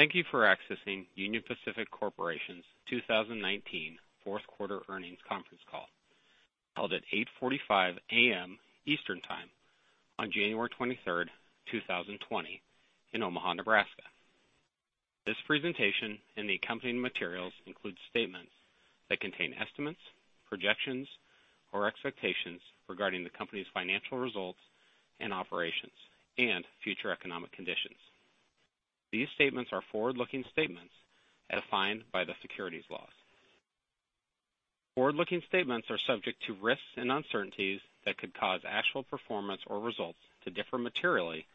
Thank you for accessing Union Pacific Corporation's 2019 fourth quarter earnings conference call, held at 8:45 A.M. Eastern Time on January 23rd, 2020, in Omaha, Nebraska. This presentation and the accompanying materials include statements that contain estimates, projections, or expectations regarding the company's financial results and operations and future economic conditions. These statements are forward-looking statements as defined by the securities laws. Forward-looking statements are subject to risks and uncertainties that could cause actual performance or results to differ materially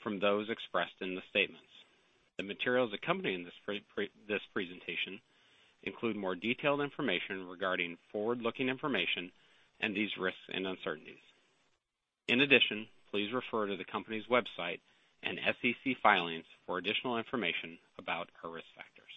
from those expressed in the statements. The materials accompanying this presentation include more detailed information regarding forward-looking information and these risks and uncertainties. In addition, please refer to the company's website and SEC filings for additional information about our risk factors.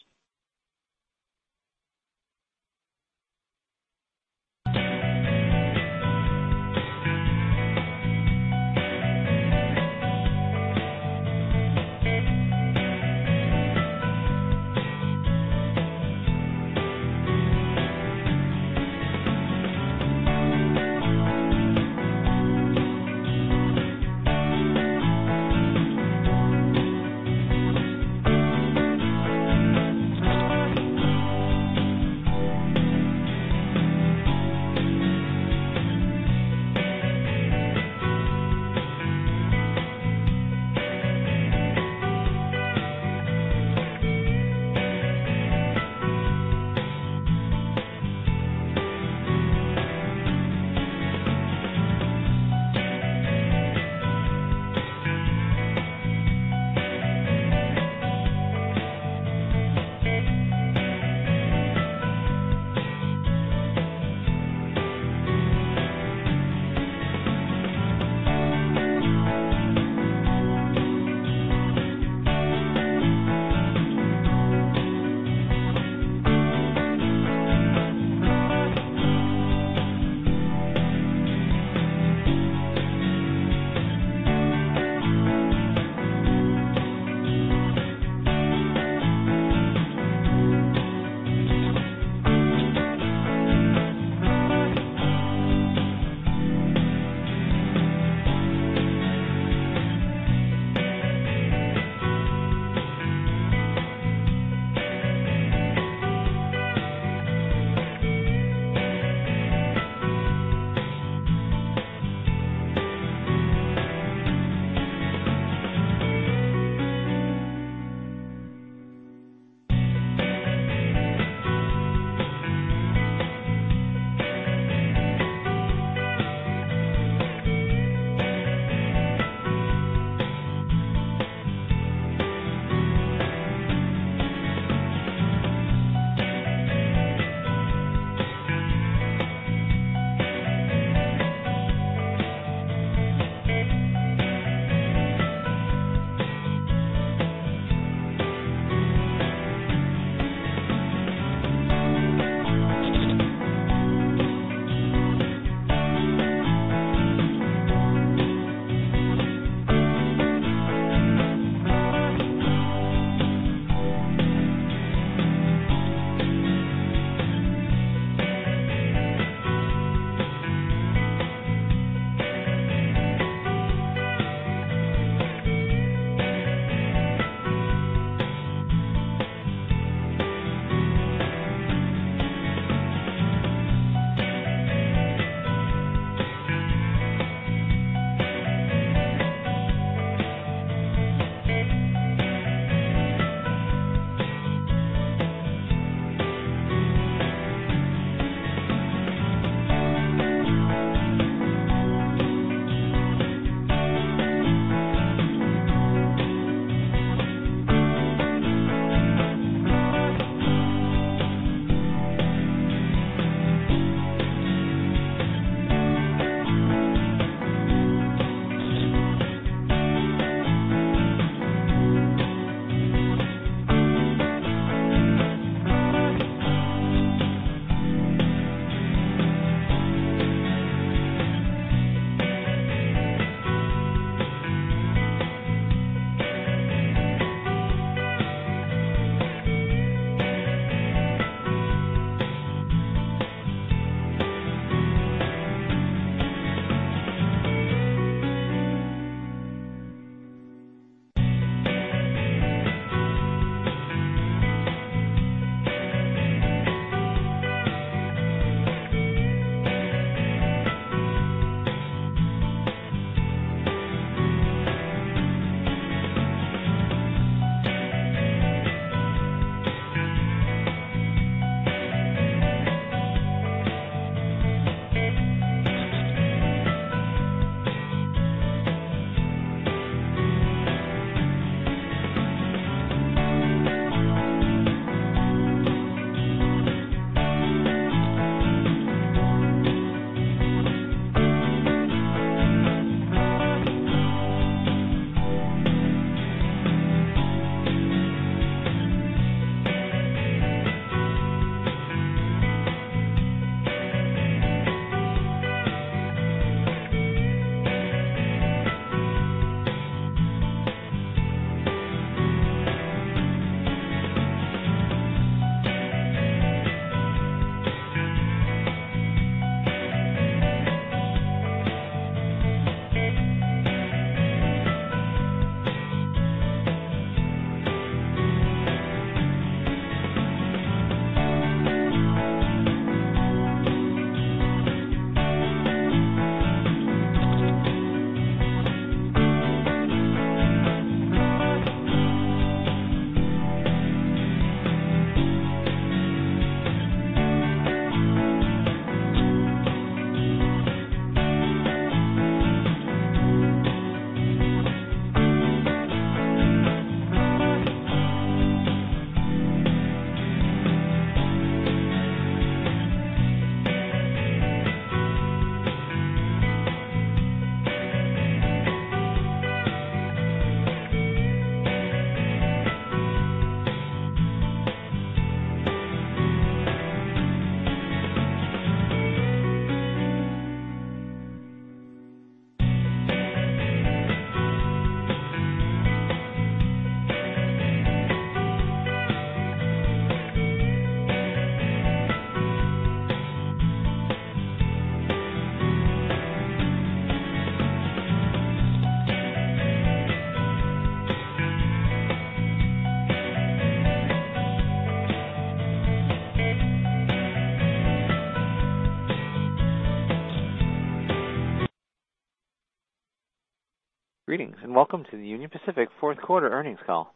Greetings, and welcome to the Union Pacific fourth quarter earnings call.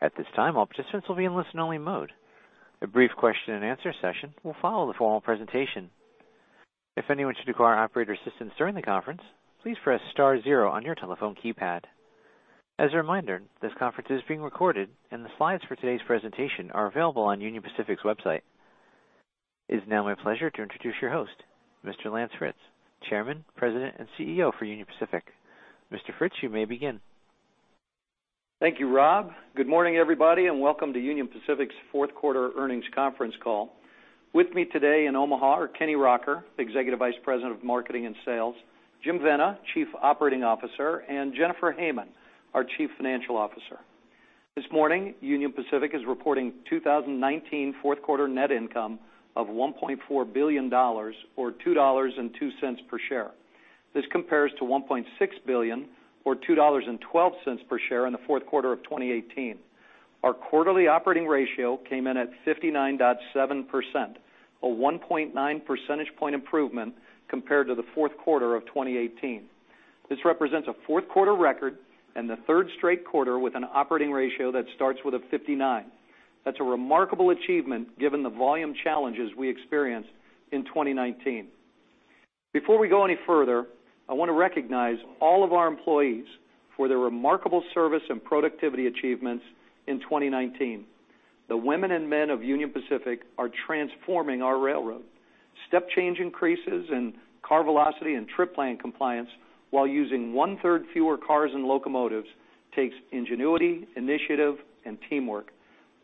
At this time, all participants will be in listen-only mode. A brief question-and-answer session will follow the formal presentation. If anyone should require operator assistance during the conference, please press star-zero on your telephone keypad. As a reminder, this conference is being recorded; the slides for today's presentation are available on Union Pacific's website. It's now my pleasure to introduce your host, Mr. Lance Fritz, Chairman, President, and CEO for Union Pacific. Mr. Fritz, you may begin. Thank you, Rob. Good morning, everybody, and welcome to Union Pacific's fourth quarter earnings conference call. With me today in Omaha are Kenny Rocker, Executive Vice President of Marketing and Sales, Jim Vena, Chief Operating Officer, and Jennifer Hamann, our Chief Financial Officer. This morning, Union Pacific is reporting 2019 fourth quarter net income of $1.4 billion, or $2.02 per share. This compares to $1.6 billion or $2.12 per share in the fourth quarter of 2018. Our quarterly operating ratio came in at 59.7%, a 1.9 percentage point improvement compared to the fourth quarter of 2018. This represents a fourth quarter record and the third straight quarter with an operating ratio that starts with a 59. That's a remarkable achievement given the volume challenges we experienced in 2019. Before we go any further, I wanna recognize all of our employees for their remarkable service and productivity achievements in 2019. The women and men of Union Pacific are transforming our railroad. Step change increases in car velocity and trip plan compliance while using 1/3 fewer cars and locomotives take ingenuity, initiative, and teamwork.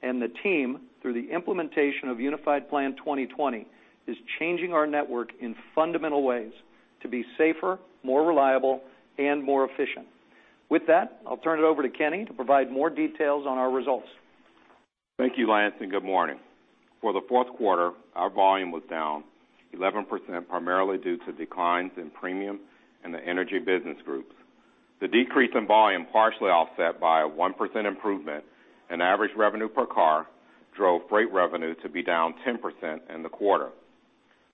The team, through the implementation of Unified Plan 2020, is changing our network in fundamental ways to be safer, more reliable, and more efficient. With that, I'll turn it over to Kenny to provide more details on our results. Thank you, Lance. Good morning. For the fourth quarter, our volume was down 11%, primarily due to declines in Premium and the Energy business groups. The decrease in volume partially offset by a 1% improvement in average revenue per car drove freight revenue to be down 10% in the quarter.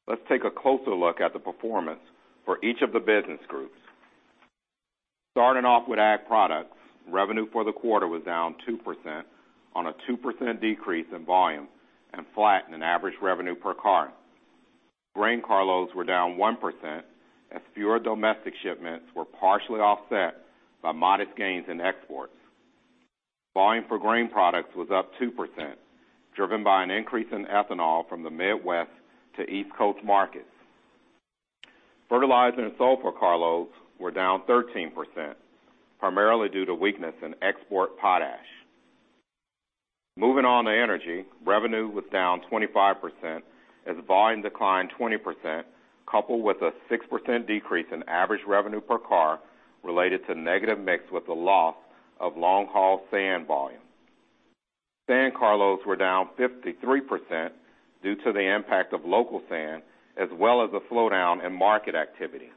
Let's take a closer look at the performance for each of the business groups. Starting off with ag products, revenue for the quarter was down 2% on a 2% decrease in volume and flat in average revenue per car. Grain carloads were down 1% as fewer domestic shipments were partially offset by modest gains in exports. Volume for grain products was up 2%, driven by an increase in ethanol from Midwest to East Coast markets. Fertilizer and sulfur carloads were down 13%, primarily due to weakness in export potash. Moving on to energy, revenue was down 25% as volume declined 20%, coupled with a 6% decrease in average revenue per car related to negative mix with the loss of long-haul sand volume. Sand carloads were down 53% due to the impact of local sand as well as a slowdown in market activity.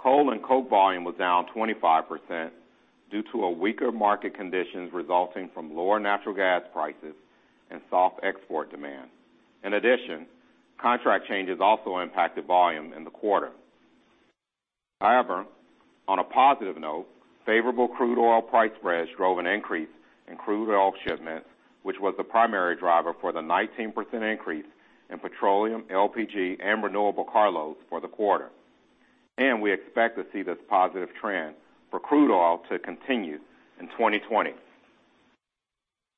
Coal and coke volume was down 25% due to weaker market conditions resulting from lower natural gas prices and soft export demand. In addition, contract changes also impacted volume in the quarter. However, on a positive note, favorable crude oil price spreads drove an increase in crude oil shipments, which was the primary driver for the 19% increase in petroleum, LPG, and renewable carloads for the quarter. We expect to see this positive trend for crude oil continue in 2020.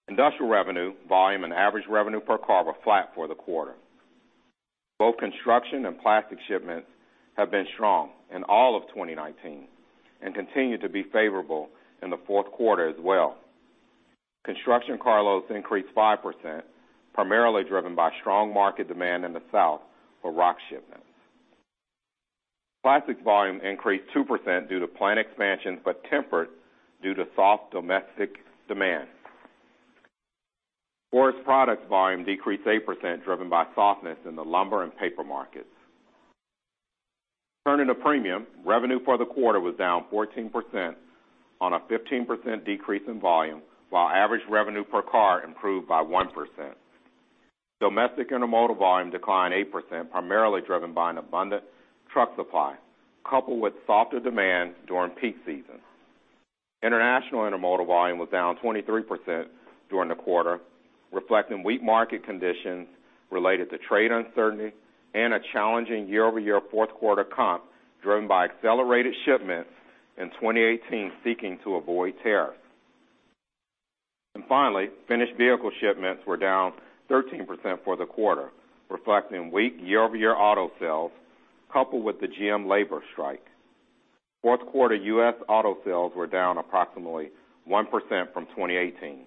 Industrial revenue, volume, and average revenue per car were flat for the quarter. Both construction and plastic shipments have been strong in all of 2019 and continue to be favorable in the fourth quarter as well. Construction carloads increased 5%, primarily driven by strong market demand in the south for rock shipments. Plastics' volume increased 2% due to plant expansions, but tempered due to soft domestic demand. Forest products volume decreased 8%, driven by softness in the lumber and paper markets. Turning to premium, revenue for the quarter was down 14% on a 15% decrease in volume, while average revenue per car improved by 1%. Domestic intermodal volume declined 8%, primarily driven by an abundant truck supply, coupled with softer demand during peak season. International intermodal volume was down 23% during the quarter, reflecting weak market conditions related to trade uncertainty and a challenging year-over-year fourth quarter comp driven by accelerated shipments in 2018 seeking to avoid tariffs. Finally, finished vehicle shipments were down 13% for the quarter, reflecting weak year-over-year auto sales coupled with the GM labor strike. Fourth quarter U.S. auto sales were down approximately 1% from 2018.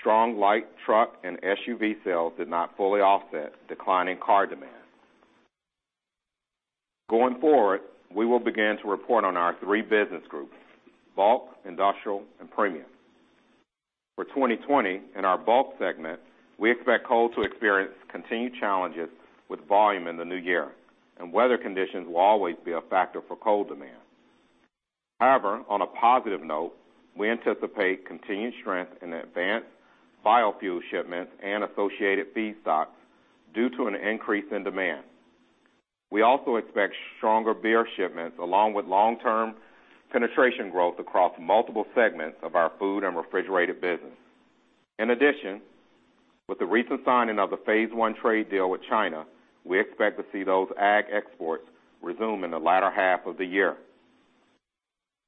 Strong light truck and SUV sales did not fully offset declining car demand. Going forward, we will begin to report on our three business groups: Bulk, Industrial, and Premium. For 2020, in our Bulk segment, we expect coal to experience continued challenges with volume in the new year, and weather conditions will always be a factor for coal demand. However, on a positive note, we anticipate continued strength in advanced biofuel shipments and associated feedstocks due to an increase in demand. We also expect stronger beer shipments along with long-term penetration growth across multiple segments of our food and refrigerated businesses. In addition, with the recent signing of the Phase One trade deal with China, we expect to see those ag exports resume in the latter half of the year.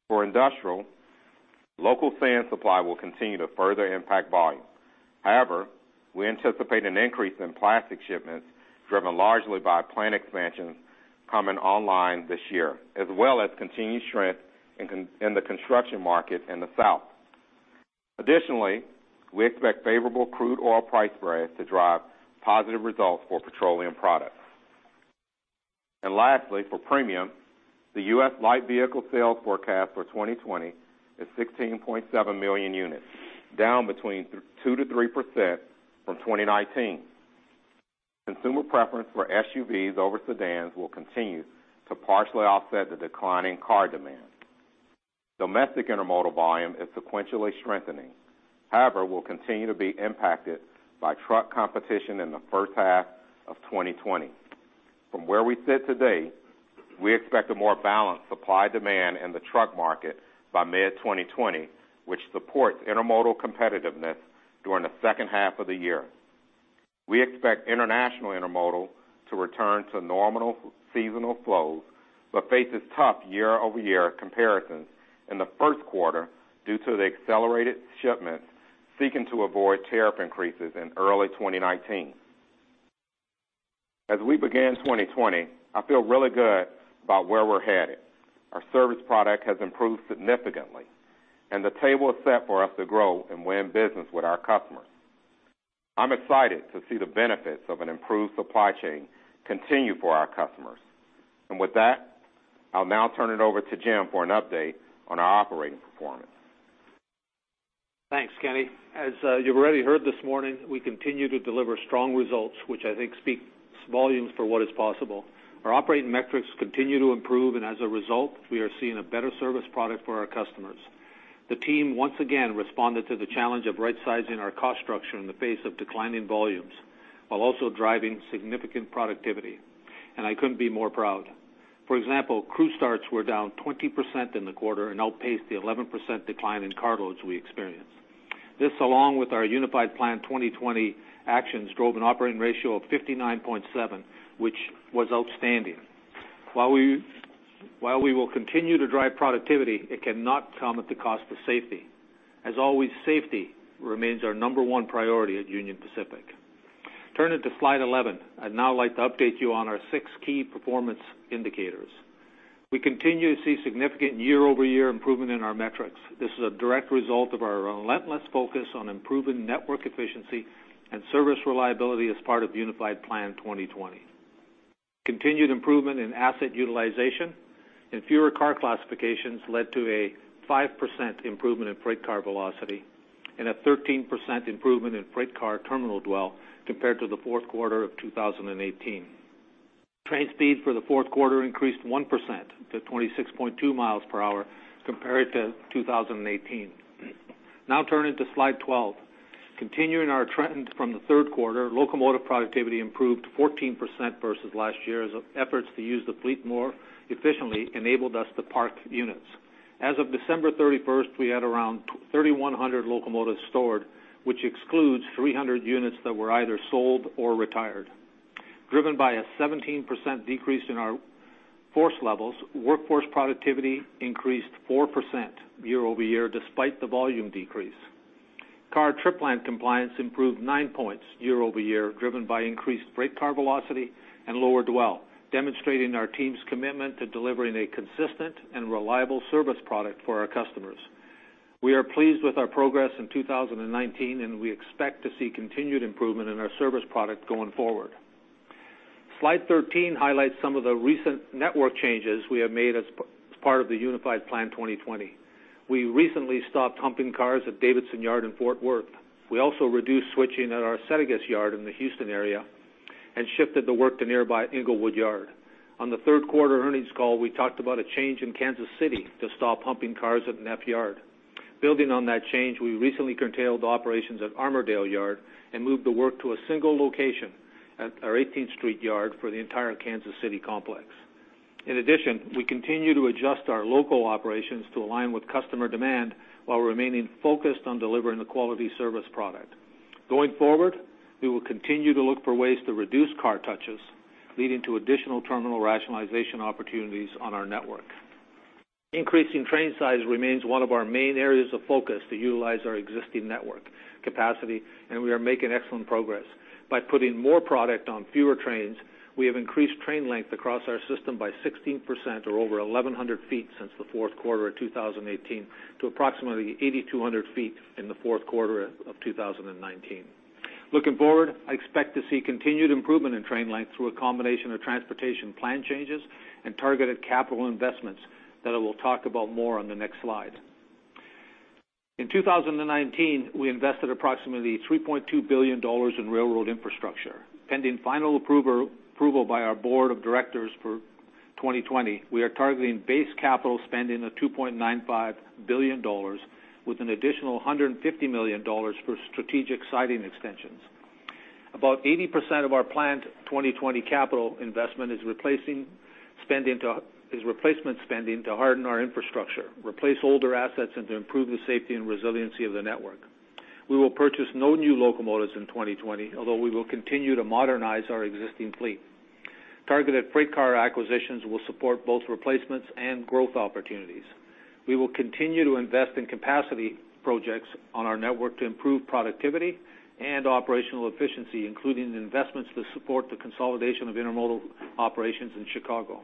For industrial, local sand supply will continue to further impact volume. However, we anticipate an increase in plastic shipments driven largely by plant expansions coming online this year, as well as continued strength in the construction market in the South. Additionally, we expect favorable crude oil price spreads to drive positive results for petroleum products. Lastly, for premium, the U.S. light vehicle sales forecast for 2020 is 16.7 million units, down between 2%-3% from 2019. Consumer preference for SUVs over sedans will continue to partially offset the decline in car demand. Domestic intermodal volume is sequentially strengthening; however, it will continue to be impacted by truck competition in the first half of 2020. From where we sit today, we expect a more balanced supply demand in the truck market by mid-2020, which supports intermodal competitiveness during the second half of the year. We expect international intermodal to return to normal seasonal flows but face tough year-over-year comparisons in the first quarter due to the accelerated shipments seeking to avoid tariff increases in early 2019. As we begin 2020, I feel really good about where we're headed. Our service product has improved significantly, and the table is set for us to grow and win business with our customers. I'm excited to see the benefits of an improved supply chain continue for our customers. With that, I'll now turn it over to Jim for an update on our operating performance. Thanks, Kenny. As you've already heard this morning, we continue to deliver strong results, which I think speaks volumes for what is possible. Our operating metrics continue to improve, and as a result, we are seeing a better service product for our customers. The team, once again, responded to the challenge of rightsizing our cost structure in the face of declining volumes while also driving significant productivity, and I couldn't be more proud. For example, crew starts were down 20% in the quarter and outpaced the 11% decline in carloads we experienced. This, along with our Unified Plan 2020 actions, drove an operating ratio of 59.7, which was outstanding. While we will continue to drive productivity, it cannot come at the cost of safety. As always, safety remains our number one priority at Union Pacific. Turning to slide 11, I'd now like to update you on our six key performance indicators. We continue to see significant year-over-year improvement in our metrics. This is a direct result of our relentless focus on improving network efficiency and service reliability as part of Unified Plan 2020. Continued improvement in asset utilization and fewer car classifications led to a 5% improvement in freight car velocity and a 13% improvement in freight car terminal dwell compared to the fourth quarter of 2018. Train speed for the fourth quarter increased 1% to 26.2 mph compared to 2018. Now turning to slide 12. Continuing our trend from the third quarter, locomotive productivity improved 14% versus last year as efforts to use the fleet more efficiently enabled us to park units. As of December 31st, we had around 3,100 locomotives stored, which excludes 300 units that were either sold or retired. Driven by a 17% decrease in our force levels, workforce productivity increased 4% year-over-year despite the volume decrease. Car trip line compliance improved 9 percentage points year-over-year, driven by increased freight car velocity and lower dwell, demonstrating our team's commitment to delivering a consistent and reliable service product for our customers. We are pleased with our progress in 2019. We expect to see continued improvement in our service product going forward. Slide 13 highlights some of the recent network changes we have made as part of the Unified Plan 2020. We recently stopped humping cars at Davidson Yard in Fort Worth. We also reduced switching at our Settegast Yard in the Houston area and shifted the work to the nearby Englewood Yard. On the third quarter earnings call, we talked about a change in Kansas City to stop humping cars at Neff Yard. Building on that change, we recently curtailed operations at Armourdale Yard and moved the work to a single location at our Eighteenth Street Yard for the entire Kansas City complex. In addition, we continue to adjust our local operations to align with customer demand while remaining focused on delivering a quality service product. Going forward, we will continue to look for ways to reduce car touches, leading to additional terminal rationalization opportunities on our network. Increasing train size remains one of our main areas of focus to utilize our existing network capacity, and we are making excellent progress. By putting more product on fewer trains, we have increased train length across our system by 16% or over 1,100 feet since the fourth quarter of 2018 to approximately 8,200 feet in the fourth quarter of 2019. Looking forward, I expect to see continued improvement in train length through a combination of transportation plan changes and targeted capital investments that I will talk about more on the next slide. In 2019, we invested approximately $3.2 billion in railroad infrastructure. Pending final approval by our board of directors for 2020, we are targeting base capital spending of $2.95 billion with an additional $150 million for strategic siding extensions. About 80% of our planned 2020 capital investment is replacement spending to harden our infrastructure, replace older assets, and improve the safety and resiliency of the network. We will purchase no new locomotives in 2020, although we will continue to modernize our existing fleet. Targeted freight car acquisitions will support both replacements and growth opportunities. We will continue to invest in capacity projects on our network to improve productivity and operational efficiency, including investments to support the consolidation of intermodal operations in Chicago.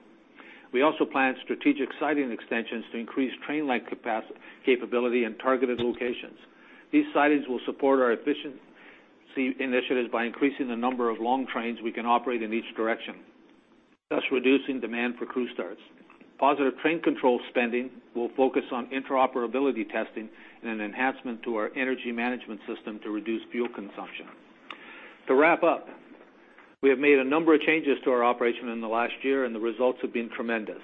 We also plan strategic siding extensions to increase train length capability in targeted locations. These sidings will support our efficiency initiatives by increasing the number of long trains we can operate in each direction, thus reducing demand for crew starts. Positive Train Control spending will focus on interoperability testing and an enhancement to our energy management system to reduce fuel consumption. To wrap up, we have made a number of changes to our operation in the last year. The results have been tremendous.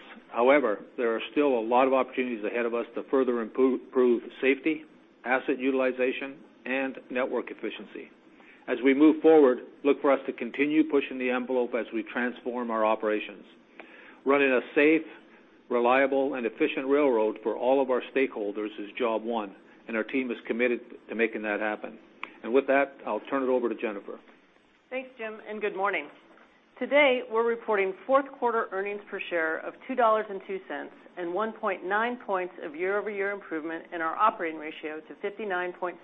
There are still a lot of opportunities ahead of us to further improve safety, asset utilization, and network efficiency. As we move forward, look for us to continue pushing the envelope as we transform our operations. Running a safe, reliable, and efficient railroad for all of our stakeholders is job one. Our team is committed to making that happen. With that, I'll turn it over to Jennifer. Thanks, Jim. Good morning. Today, we're reporting fourth quarter earnings per share of $2.02 and 1.9 points of year-over-year improvement in our operating ratio to 59.7%.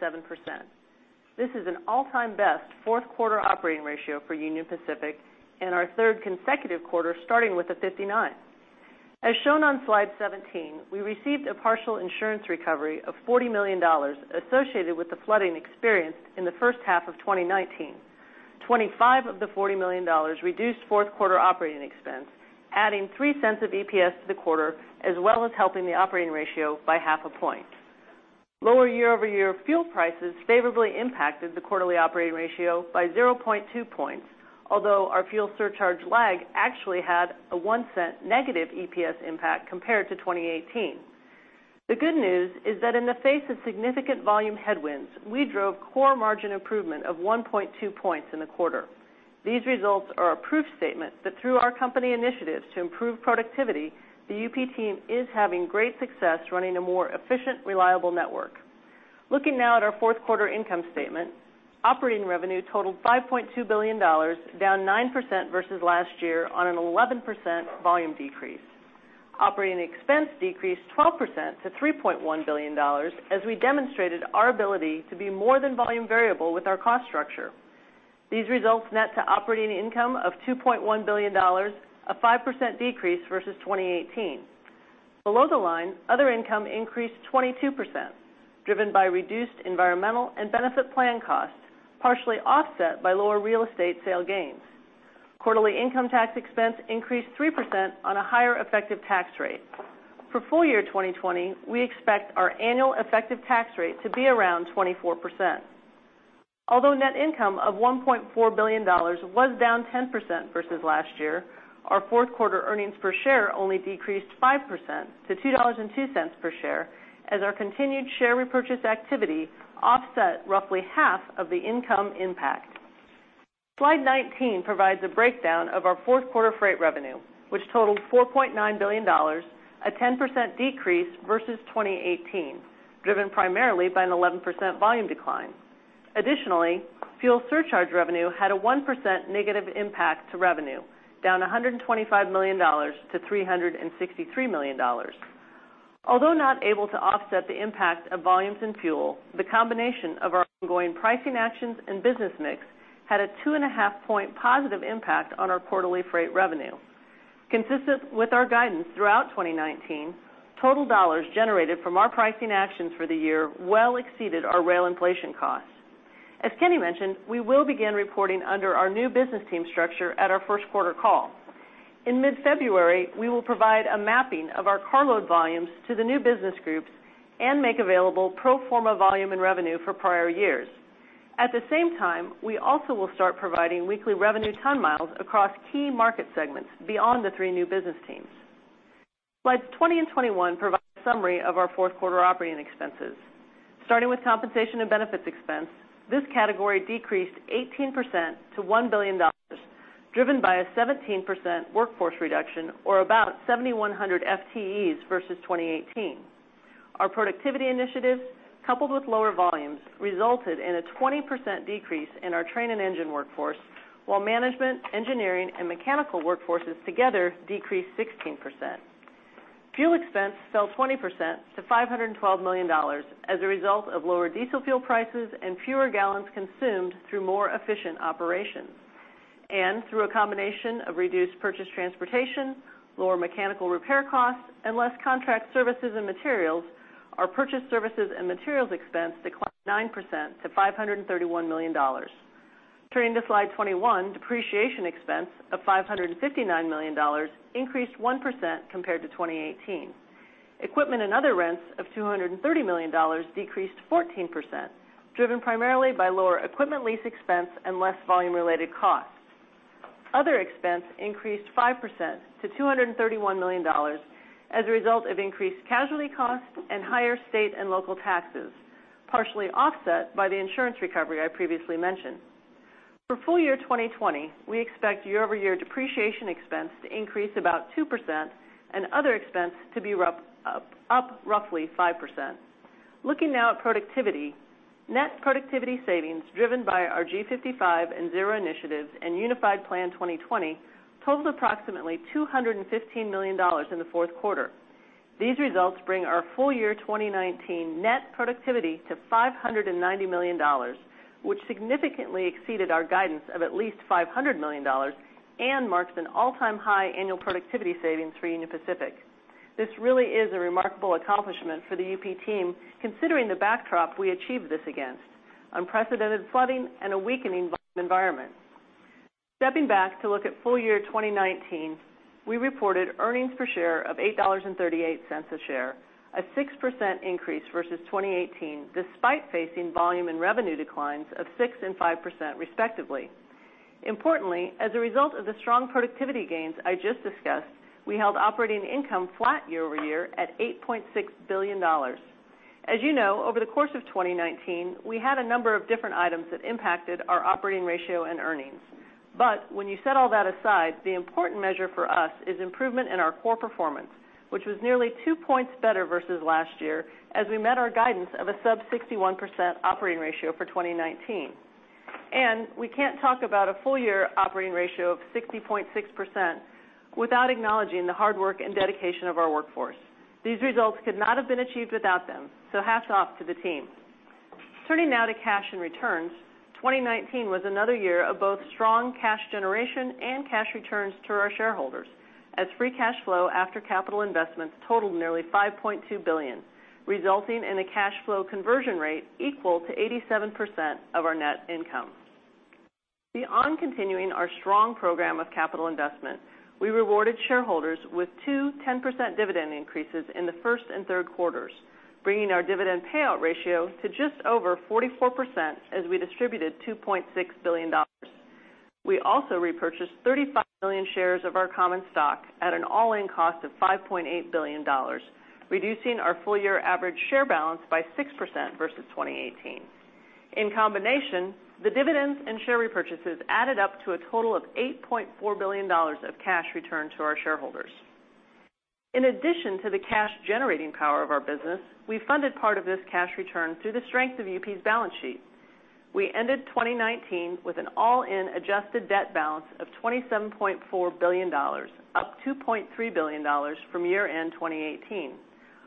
This is an all-time best fourth-quarter operating ratio for Union Pacific and our third consecutive quarter starting with 59%. As shown on slide 17, we received a partial insurance recovery of $40 million associated with the flooding experienced in the first half of 2019. 25 of the $40 million reduced fourth-quarter operating expense, adding $0.03 of EPS to the quarter as well as helping the operating ratio by half a point. Lower year-over-year fuel prices favorably impacted the quarterly operating ratio by 0.2 points, although our fuel surcharge lag actually had a $0.01- EPS impact compared to 2018. The good news is that in the face of significant volume headwinds, we drove core margin improvement of 1.2 points in the quarter. These results are a proof statement that through our company initiatives to improve productivity, the Union Pacific team is having great success running a more efficient, reliable network. Looking now at our fourth quarter income statement, operating revenue totaled $5.2 billion, down 9% versus last year on an 11% volume decrease. Operating expense decreased 12% to $3.1 billion as we demonstrated our ability to be more than volume-variable with our cost structure. These results net to operating income of $2.1 billion, a 5% decrease versus 2018. Below the line, other income increased 22%, driven by reduced environmental and benefit plan costs, partially offset by lower real estate sale gains. Quarterly income tax expense increased 3% on a higher effective tax rate. For full-year 2020, we expect our annual effective tax rate to be around 24%. Although net income of $1.4 billion was down 10% versus last year, our fourth quarter earnings per share only decreased 5% to $2.02 per share as our continued share repurchase activity offset roughly half of the income impact. Slide 19 provides a breakdown of our fourth quarter freight revenue, which totaled $4.9 billion, a 10% decrease versus 2018, driven primarily by an 11% volume decline. Additionally, fuel surcharge revenue had a 1% negative impact on revenue, down $125 million-$363 million. Although not able to offset the impact of volumes in fuel, the combination of our ongoing pricing actions and business mix had a 2.5 point positive impact on our quarterly freight revenue. Consistent with our guidance throughout 2019, total dollars generated from our pricing actions for the year well exceeded our rail inflation costs. As Kenny mentioned, we will begin reporting under our new business team structure at our first quarter call. In mid-February, we will provide a mapping of our carload volumes to the new business groups and make available pro forma volume and revenue for prior years. At the same time, we also will start providing weekly revenue ton miles across key market segments beyond the three new business teams. Slides 20 and 21 provide a summary of our fourth quarter operating expenses. Starting with compensation and benefits expense, this category decreased 18% to $1 billion, driven by a 17% workforce reduction or about 7,100 FTEs versus 2018. Our productivity initiatives, coupled with lower volumes, resulted in a 20% decrease in our train and engine workforce, while management, engineering, and mechanical workforces together decreased 16%. Fuel expense fell 20% to $512 million as a result of lower diesel fuel prices and fewer gallons consumed through more efficient operations. Through a combination of reduced purchase transportation, lower mechanical repair costs, and less contract services and materials, our purchase services and materials expense declined 9% to $531 million. Turning to slide 21, depreciation expense of $559 million increased 1% compared to 2018. Equipment and other rents of $230 million decreased 14%, driven primarily by lower equipment lease expenses and less volume-related costs. Other expenses increased 5% to $231 million as a result of increased casualty costs and higher state and local taxes, partially offset by the insurance recovery I previously mentioned. For full-year 2020, we expect year-over-year depreciation expense to increase about 2% and other expenses to be roughly 5%. Looking now at productivity, net productivity savings driven by our G55 and Zero initiatives and Unified Plan 2020 totaled approximately $215 million in the fourth quarter. These results bring our full year 2019 net productivity to $590 million, which significantly exceeded our guidance of at least $500 million and marks an all-time high annual productivity savings for Union Pacific. This really is a remarkable accomplishment for the UP team, considering the backdrop we achieved this against: unprecedented flooding and a weakening volume environment. Stepping back to look at full year 2019, we reported earnings per share of $8.38 a share, a 6% increase versus 2018, despite facing volume and revenue declines of 6% and 5%, respectively. Importantly, as a result of the strong productivity gains I just discussed, we held operating income flat year-over-year at $8.6 billion. As you know, over the course of 2019, we had a number of different items that impacted our operating ratio and earnings. When you set all that aside, the important measure for us is improvement in our core performance, which was nearly 2 points better versus last year as we met our guidance of a sub 61% operating ratio for 2019. We can't talk about a full year operating ratio of 60.6% without acknowledging the hard work and dedication of our workforce. These results could not have been achieved without them, so hats off to the team. Turning now to cash and returns, 2019 was another year of both strong cash generation and cash returns to our shareholders, as free cash flow after capital investments totaled nearly $5.2 billion, resulting in a cash flow conversion rate equal to 87% of our net income. Beyond continuing our strong program of capital investment, we rewarded shareholders with two 10% dividend increases in the first and third quarters, bringing our dividend payout ratio to just over 44% as we distributed $2.6 billion. We also repurchased 35 million shares of our common stock at an all-in cost of $5.8 billion, reducing our full-year average share balance by 6% versus 2018. In combination, the dividends and share repurchases added up to a total of $8.4 billion of cash returned to our shareholders. In addition to the cash-generating power of our business, we funded part of this cash return through the strength of UP's balance sheet. We ended 2019 with an all-in adjusted debt balance of $27.4 billion, up $2.3 billion from year-end 2018.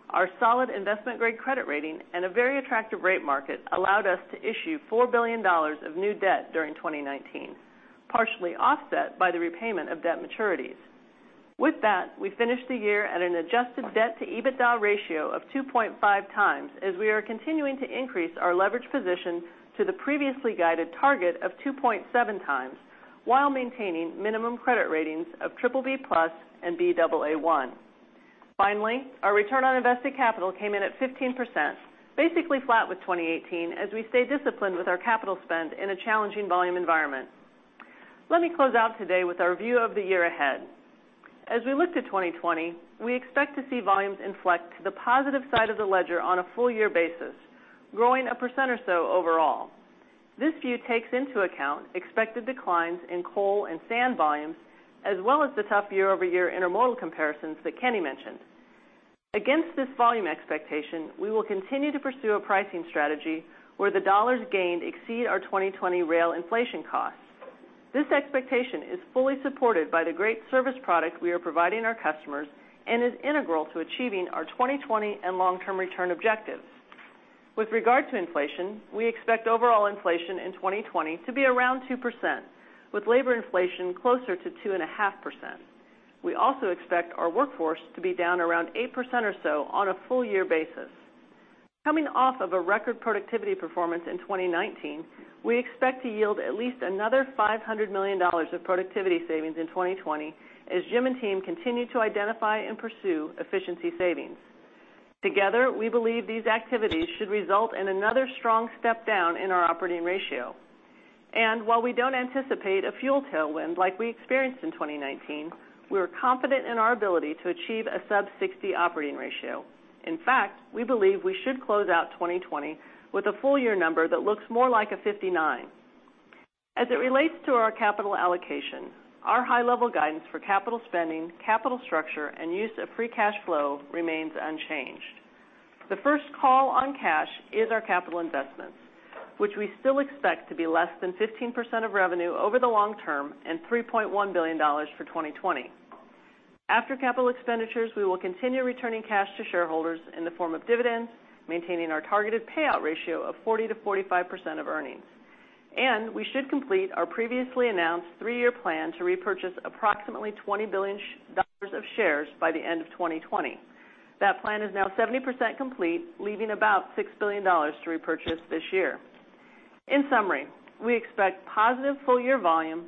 Our solid investment-grade credit rating and a very attractive rate market allowed us to issue $4 billion of new debt during 2019, partially offset by the repayment of debt maturities. We finished the year at an adjusted debt-to-EBITDA ratio of 2.5x, as we are continuing to increase our leverage position to the previously guided target of 2.7x while maintaining minimum credit ratings of BBB+ and Baa1. Finally, our return on invested capital came in at 15%, basically flat with 2018, as we stayed disciplined with our capital spend in a challenging volume environment. Let me close out today with our view of the year ahead. As we look to 2020, we expect to see volumes inflection to the positive side of the ledger on a full-year basis, growing 1% or so overall. This view takes into account expected declines in coal and sand volumes as well as the tough year-over-year intermodal comparisons that Kenny mentioned. Against this volume expectation, we will continue to pursue a pricing strategy where the dollars gained exceed our 2020 rail inflation costs. This expectation is fully supported by the great service and product we are providing our customers and is integral to achieving our 2020 and long-term return objectives. With regard to inflation, we expect overall inflation in 2020 to be around 2%, with labor inflation closer to 2.5%. We also expect our workforce to be down around 8% or so on a full-year basis. Coming off of a record productivity performance in 2019, we expect to yield at least another $500 million of productivity savings in 2020 as Jim and team continue to identify and pursue efficiency savings. Together, we believe these activities should result in another strong step down in our operating ratio. While we don't anticipate a fuel tailwind like we experienced in 2019, we are confident in our ability to achieve a sub-60 operating ratio. In fact, we believe we should close out 2020 with a full-year number that looks more like a 59%. As it relates to our capital allocation, our high-level guidance for capital spending, capital structure, and use of free cash flow remains unchanged. The first call on cash is our capital investments, which we still expect to be less than 15% of revenue over the long term and $3.1 billion in 2020. After capital expenditures, we will continue returning cash to shareholders in the form of dividends, maintaining our targeted payout ratio of 40%-45% of earnings. We should complete our previously announced three-year plan to repurchase approximately $20 billion of shares by the end of 2020. That plan is now 70% complete, leaving about $6 billion to repurchase this year. In summary, we expect positive full-year volume,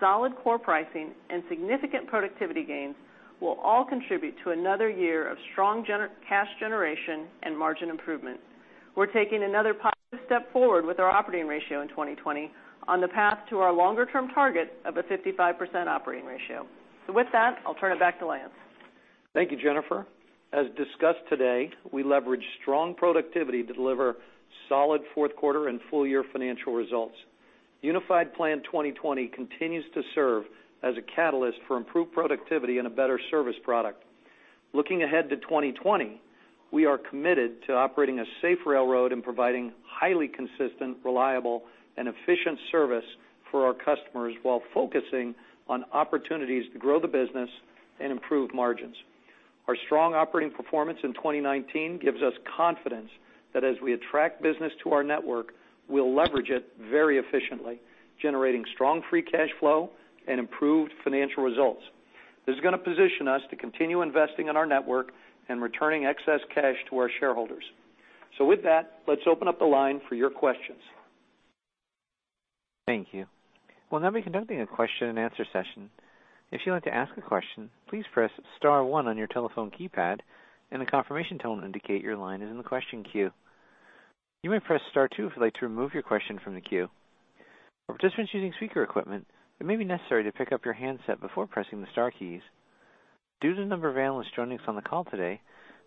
solid core pricing, and significant productivity gains will all contribute to another year of strong cash generation and margin improvement. We're taking another positive step forward with our operating ratio in 2020 on the path to our longer-term target of a 55% operating ratio. With that, I'll turn it back to Lance. Thank you, Jennifer. As discussed today, we leverage strong productivity to deliver solid fourth quarter and full-year financial results. Unified Plan 2020 continues to serve as a catalyst for improved productivity and a better service product. Looking ahead to 2020, we are committed to operating a safe railroad and providing highly consistent, reliable, and efficient service for our customers while focusing on opportunities to grow the business and improve margins. Our strong operating performance in 2019 gives us confidence that as we attract business to our network, we'll leverage it very efficiently, generating strong free cash flow and improved financial results. This is gonna position us to continue investing in our network and returning excess cash to our shareholders. With that, let's open up the line for your questions. Thank you. We'll now be conducting a question-and-answer session. Due to the number of analysts joining us on the call today,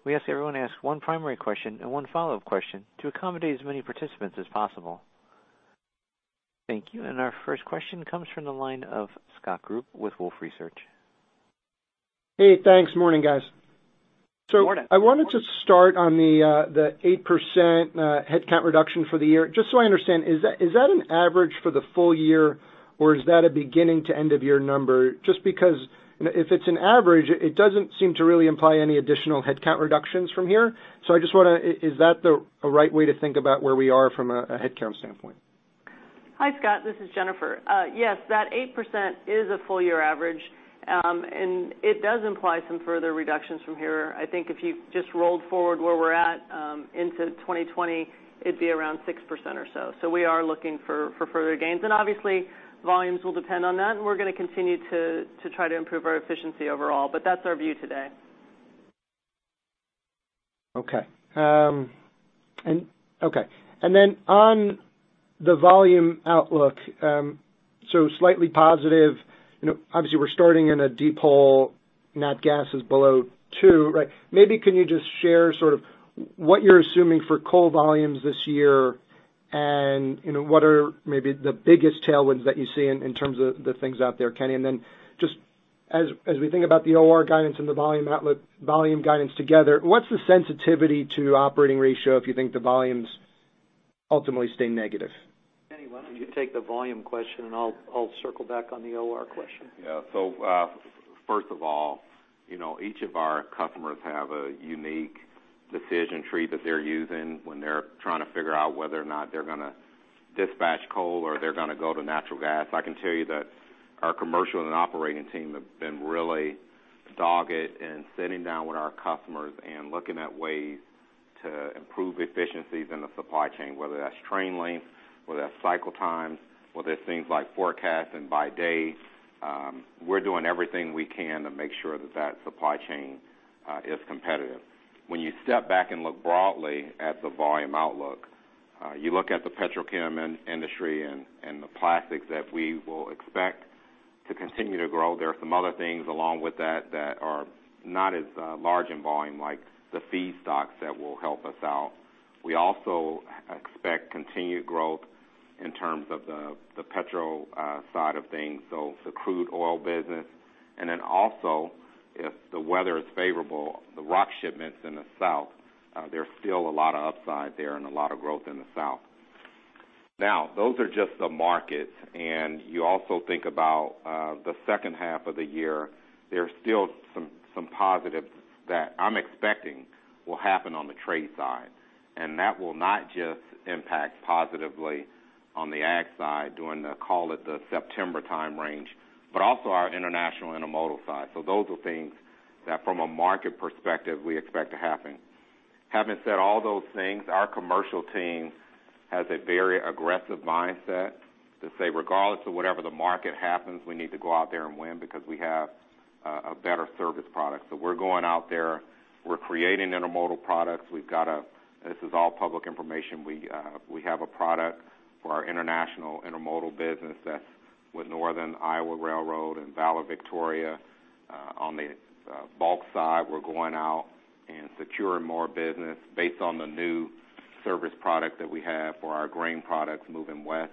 we ask everyone to ask one primary question and one follow-up question to accommodate as many participants as possible. Thank you. Our first question comes from the line of Scott Group with Wolfe Research. Hey, thanks. Morning, guys. Morning. I wanted to start on the 8% headcount reduction for the year. Just so I understand, is that an average for the full year, or is that a beginning-to-end-of-year number? Just because, you know, if it's an average, it doesn't seem to really imply any additional headcount reductions from here. Is that the right way to think about where we are from a headcount standpoint? Hi, Scott. This is Jennifer. Yes, that 8% is a full-year average; it does imply some further reductions from here. I think if you just rolled forward where we're at, into 2020, it'd be around 6% or so. We are looking for further gains. Obviously, volumes will depend on that, and we're gonna continue to try to improve our efficiency overall. That's our view today. Okay. Okay. Then, the volume outlook is slightly positive. You know, obviously, we're starting in a deep hole. Natural gas is below two, right? Maybe can you just share what you're assuming for coal volumes this year and, you know, what are maybe the biggest tailwinds that you see in terms of the things out there, Kenny? Then just as we think about the OR guidance and the volume guidance together, what's the sensitivity to operating ratio if you think the volumes ultimately stay negative? Kenny, why don't you take the volume question, and I'll circle back on the OR question. First of all, you know, each of our customers has a unique decision tree that they're using when they're trying to figure out whether or not they're gonna dispatch coal or they're gonna go to natural gas. I can tell you that our commercial and operating team has been really dogged in sitting down with our customers and looking at ways to improve efficiencies in the supply chain, whether that's train length, whether that's cycle times, or whether it's things like forecasting by day. We're doing everything we can to make sure that that supply chain is competitive. When you step back and look broadly at the volume outlook, you look at the petrochem industry and the plastics that we will expect to continue to grow. There are some other things along with that that are not as large in volume, like the feedstocks that will help us out. We also expect continued growth in terms of the petrol side of things, so the crude oil business. Then also, if the weather is favorable, the rock shipments are in the South, there's still a lot of upside there and a lot of growth in the South. Now those are just the markets. You also think about the second half of the year; there are still some positives that I'm expecting will happen on the trade side, and that will not just impact positively on the ag side during the, call it, the September time range, but also our international intermodal side. Those are things that, from a market perspective, we expect to happen. Having said all those things, our commercial team has a very aggressive mindset, to say, regardless of whatever the market happens, we need to go out there and win because we have a better service product. We're going out there; we're creating intermodal products. We've got this; this is all public information. We have a product for our international intermodal business that's with Northern Iowa Railroad and Valor Victoria. On the bulk side, we're going out and securing more business based on the new service product that we have for our grain products moving west.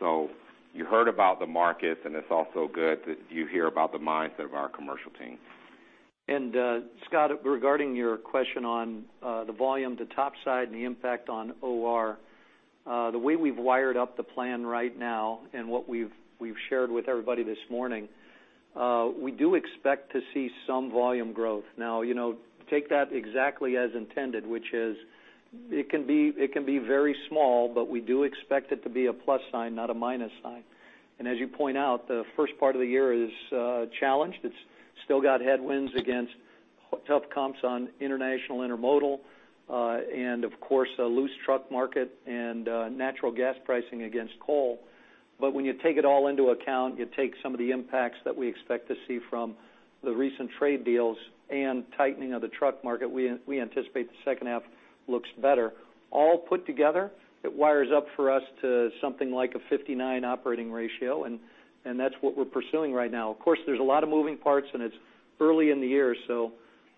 You heard about the markets, and it's also good that you hear about the mindset of our commercial team. Scott, regarding your question on the volume to top side and the impact on OR, the way we've wired up the plan right now and what we've shared with everybody this morning, we do expect to see some volume growth. Now, you know, take that exactly as intended, which is it can be very small, but we do expect it to be a plus sign, not a minus sign. As you point out, the first part of the year is challenged. It's still got headwinds against tough comps on international intermodal and, of course, a loose truck market and natural gas pricing against coal. When you take it all into account, you take some of the impacts that we expect to see from the recent trade deals and tightening of the truck market; we anticipate the second half looks better. All put together, it wires up for us to something like a 59% operating ratio, and that's what we're pursuing right now. Of course, there's a lot of moving parts, and it's early in the year, so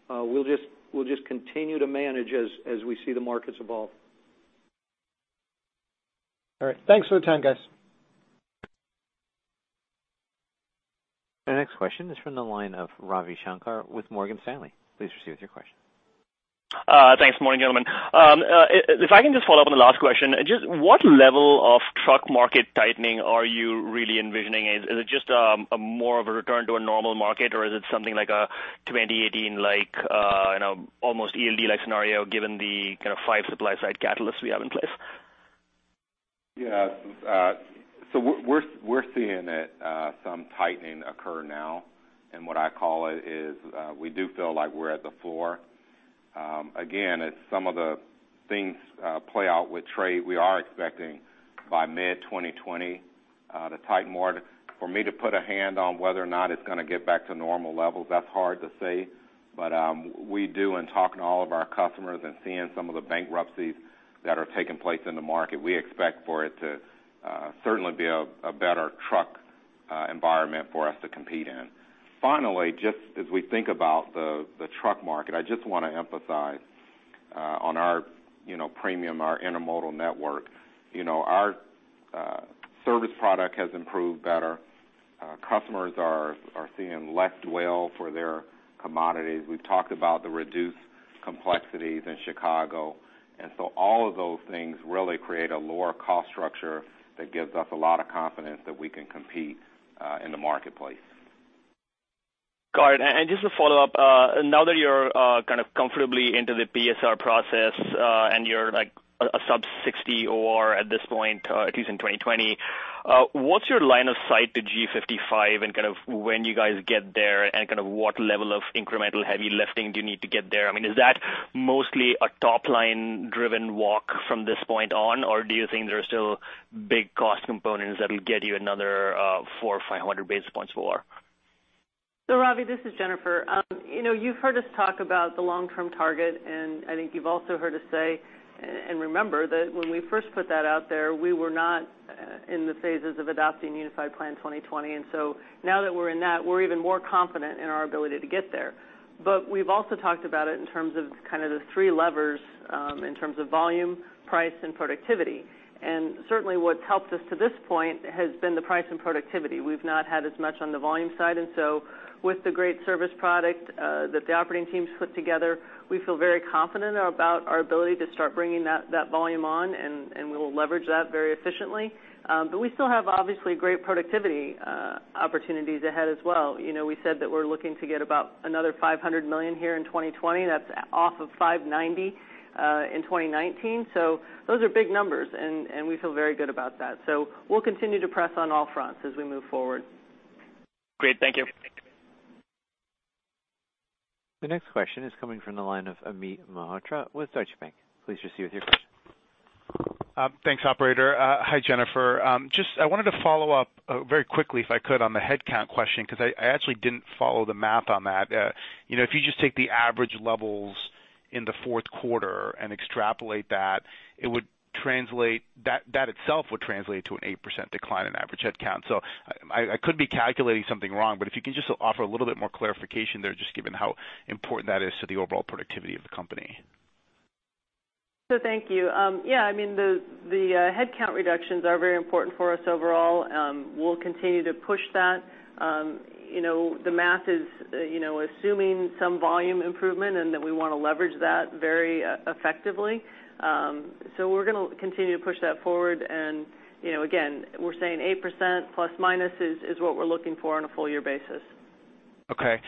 we'll just continue to manage as we see the markets evolve. All right. Thanks for the time, guys. The next question is from the line of Ravi Shanker with Morgan Stanley. Please proceed with your question. Thanks. Morning, gentlemen. If I can just follow up on the last question. Just what level of truck market tightening are you really envisioning? Is it just more of a return to a normal market, or is it something like a 2018, like, you know, almost ELD-like scenario, given the kind of five supply-side catalysts we have in place? We're seeing that some tightening occur now, and what I call it is we do feel like we're at the floor. Again, as some of the things play out with trade, we are expecting by mid-2020 to tighten more. For me to put a hand on whether or not it's gonna get back to normal levels, that's hard to say. We do; in talking to all of our customers and seeing some of the bankruptcies that are taking place in the market, we expect for it to certainly be a better truck environment for us to compete in. Finally, just as we think about the truck market, I just wanna emphasize on our, you know, premium intermodal network; you know, our service product has improved better. Customers are seeing less dwell for their commodities. We've talked about the reduced complexities in Chicago. All of those things really create a lower cost structure that gives us a lot of confidence that we can compete in the marketplace. Got it. Just to follow up, now that you're kind of comfortably into the PSR process and you're like a sub-60 OR at this point, at least in 2020, what's your line of sight to G55, and kind of when do you guys get there, and kind of what level of incremental heavy lifting do you need to get there? I mean, is that mostly a top-line-driven walk from this point on, or do you think there are still big cost components that'll get you another 400 or 500 basis points for? Ravi, this is Jennifer. You know, you've heard us talk about the long-term target, and I think you've also heard us say, and remember that when we first put that out there, we were not in the phases of adopting Unified Plan 2020. Now that we're in that, we're even more confident in our ability to get there. We've also talked about it in terms of kind of the three levers, in terms of volume, price, and productivity. Certainly, what's helped us to this point has been the price and productivity. We've not had as much on the volume side. With the great service product that the operating teams put together, we feel very confident about our ability to start bringing that volume on, and we will leverage that very efficiently. We still have, obviously, great productivity opportunities ahead as well. You know, we said that we're looking to get about another $500 million here in 2020. That's off of $590 in 2019. Those are big numbers, and we feel very good about that. We'll continue to press on all fronts as we move forward. Great. Thank you. The next question is coming from the line of Amit Mehrotra with Deutsche Bank. Please proceed with your question. Thanks, operator. Hi, Jennifer. I just wanted to follow up, very quickly, if I could, on the headcount question, 'cause I actually didn't follow the math on that. You know, if you just take the average levels in the fourth quarter and extrapolate that, it would translate to an 8% decline in average headcount. I could be calculating something wrong, but if you can just offer a little bit more clarification there, just given how important that is to the overall productivity of the company. Thank you. The headcount reductions are very important for us overall. We'll continue to push that. The math is assuming some volume improvement and that we wanna leverage that very effectively. We're gonna continue to push that forward, and again, we're saying 8% ± is what we're looking for on a full-year basis. Okay.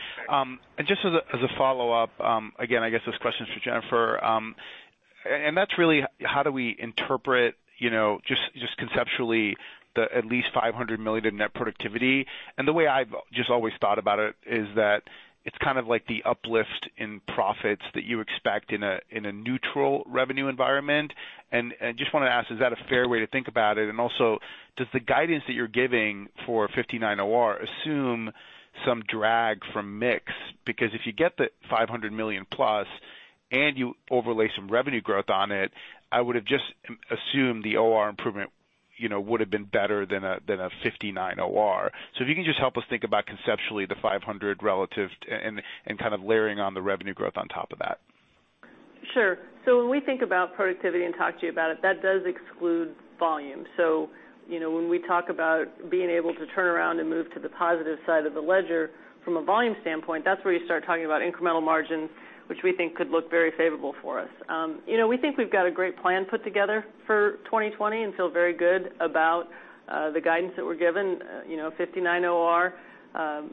Just as a, as a follow-up, again, I guess this question is for Jennifer. That's really how do we interpret, you know, just conceptually the at least $500 million in net productivity? The way I've just always thought about it is that it's kind of like the uplift in profits that you expect in a, in a neutral revenue environment. Just wanna ask, is that a fair way to think about it? Also, does the guidance that you're giving for 59 OR assume some drag from the mix? Because if you get the $500 million plus and you overlay some revenue growth on it, I would've just assumed the OR improvement, you know, would've been better than a 59 OR. If you can just help us think about conceptually the $500 relative and kind of layering on the revenue growth on top of that. Sure. When we think about productivity and talk to you about it, that does exclude volume. When we talk about being able to turn around and move to the positive side of the ledger from a volume standpoint, that's where you start talking about incremental margins, which we think could look very favorable for us. We think we've got a great plan put together for 2020 and feel very good about the guidance that we're given. 59 OR,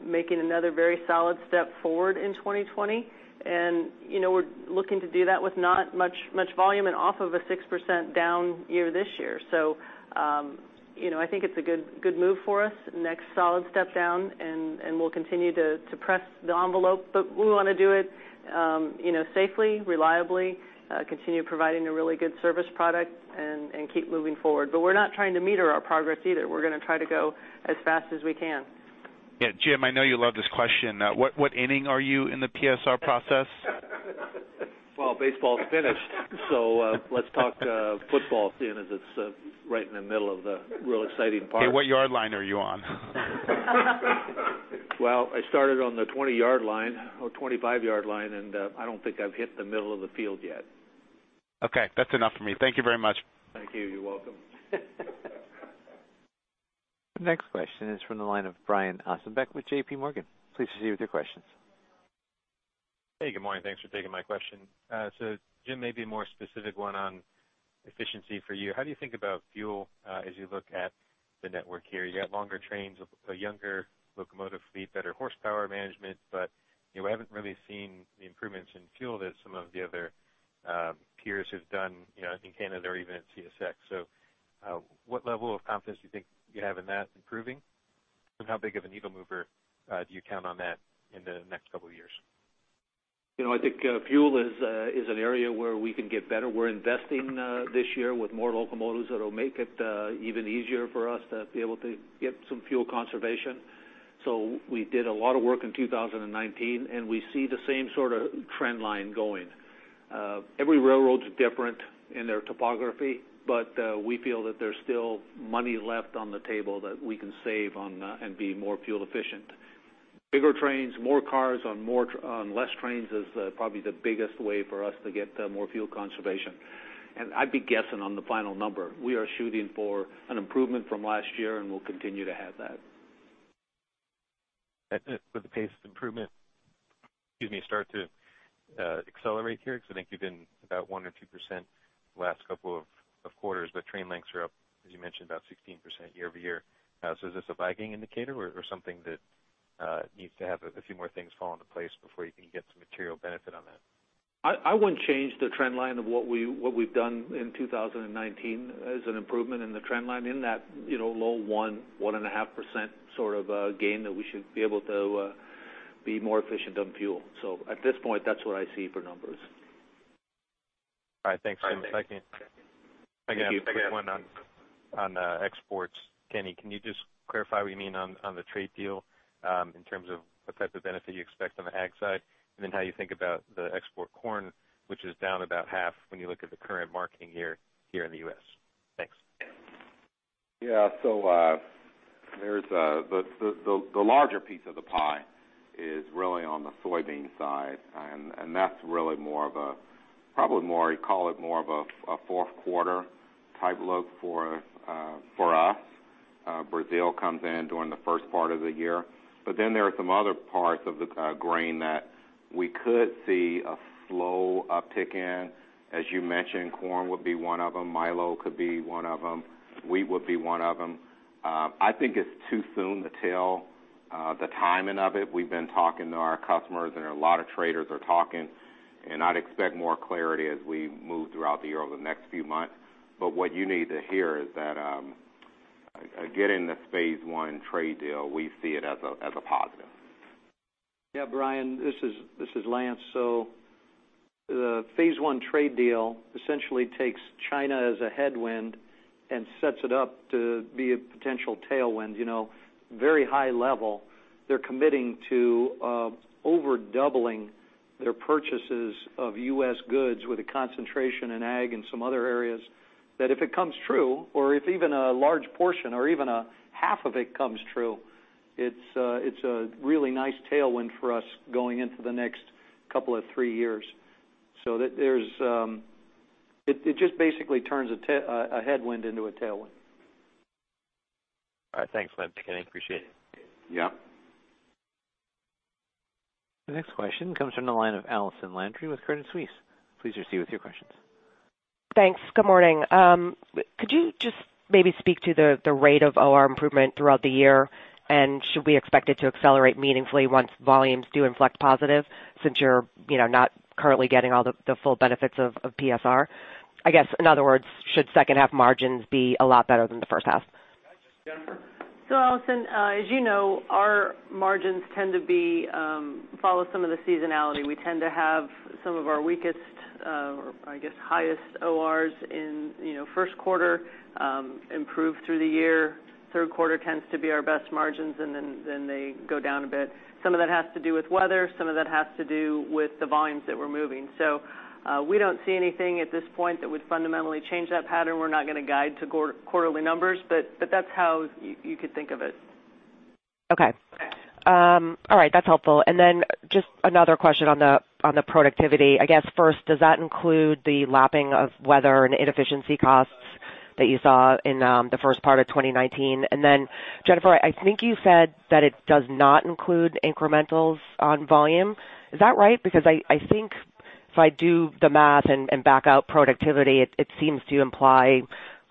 making another very solid step forward in 2020. We're looking to do that with not much volume and off of a 6% down year this year. I think it's a good move for us. Next solid step down and we'll continue to press the envelope, but we wanna do it, you know, safely, reliably, continue providing a really good service product, and keep moving forward. We're not trying to meter our progress either. We're gonna try to go as fast as we can. Yeah, Jim, I know you love this question. What inning are you in the PSR process? Well, baseball's finished, so let's talk football, seeing as it's right in the middle of the really exciting part. Okay, what yard line are you on? Well, I started on the 20-yard line or 25-yard line, and I don't think I've hit the middle of the field yet. Okay, that's enough for me. Thank you very much. Thank you. You're welcome. The next question is from the line of Brian Ossenbeck with JPMorgan. Please proceed with your questions. Hey, good morning. Thanks for taking my question. Jim, maybe a more specific one on efficiency for you. How do you think about fuel as you look at the network here? You got longer trains, a younger locomotive fleet, and better horsepower management. You know, we haven't really seen the improvements in fuel that some of the other peers have done, you know, in Canada or even at CSX. What level of confidence do you think you have in that improving? How big of a needle mover do you count on that in the next couple of years? You know, I think fuel is an area where we can get better. We're investing this year in more locomotives that'll make it even easier for us to be able to get some fuel conservation. We did a lot of work in 2019; we see the same sort of trend line going. Every railroad's different in their topography; we feel that there's still money left on the table that we can save on and be more fuel efficient. Bigger trains and more cars on less trains are probably the biggest way for us to get more fuel conservation. I'd be guessing on the final number. We are shooting for an improvement from last year; we'll continue to have that. That's it for the pace of improvement. Excuse me, start to accelerate here because I think you've been about 1% or 2% the last couple of quarters, but train lengths are up, as you mentioned, about 16% year-over-year. Is this a lagging indicator or something that needs to have a few more things fall into place before you can get some material benefit on that? I wouldn't change the trend line of what we've done in 2019 as an improvement in the trend line in that, you know, low 1.5% sort of gain; we should be able to be more efficient on fuel. At this point, that's what I see for numbers. All right, thanks, Jim. Thank you. Again, a quick one on exports. Kenny, can you just clarify what you mean on the trade deal in terms of what type of benefit you expect on the ag side? How you think about the export corn, which is down about half when you look at the current marketing year here in the U.S.? Thanks. The larger piece of the pie is really on the soybean side, and that's really more of a fourth-quarter type look for us. Brazil comes in during the first part of the year. There are some other parts of the grain that we could see a slow uptick in. As you mentioned, corn would be one of them, milo could be one of them, and wheat would be one of them. I think it's too soon to tell the timing of it. We've been talking to our customers, and a lot of traders are talking, and I'd expect more clarity as we move throughout the year over the next few months. What you need to hear is that getting this phase I trade deal, we see it as positive. Yeah, Brian, this is Lance. The Phase One trade deal essentially takes China as a headwind and sets it up to be a potential tailwind. You know, at a very high level, they're committing to over doubling their purchases of U.S. goods with a concentration in ag and some other areas. That if it comes true or if even a large portion or even a half of it comes true, it's a really nice tailwind for us going into the next couple of three years. It just basically turns a headwind into a tailwind. All right, thanks, Lance. Again, I appreciate it. Yeah. The next question comes from the line of Allison Landry with Credit Suisse. Please proceed with your questions. Thanks. Good morning. Could you just maybe speak to the rate of OR improvement throughout the year? Should we expect it to accelerate meaningfully once volumes do inflect positive since you're, you know, not currently getting all the full benefits of PSR? I guess, in other words, should second half margins be a lot better than the first half? Allison, as you know, our margins tend to follow some of the seasonality. We tend to have some of our weakest, or I guess highest ORs in, you know, first quarter, improve through the year. Third quarter tends to be our best margin, and then it goes down a bit. Some of that has to do with weather; some of that has to do with the volumes that we're moving. We don't see anything at this point that would fundamentally change that pattern. We're not gonna guide to quarterly numbers, but that's how you could think of it. All right, that's helpful. Just another question on productivity. I guess, first, does that include the lapping of weather and inefficiency costs that you saw in the first part of 2019? Jennifer, I think you said that it does not include incrementals on volume. Is that right? Because I think if I do the math and back out productivity, it seems to imply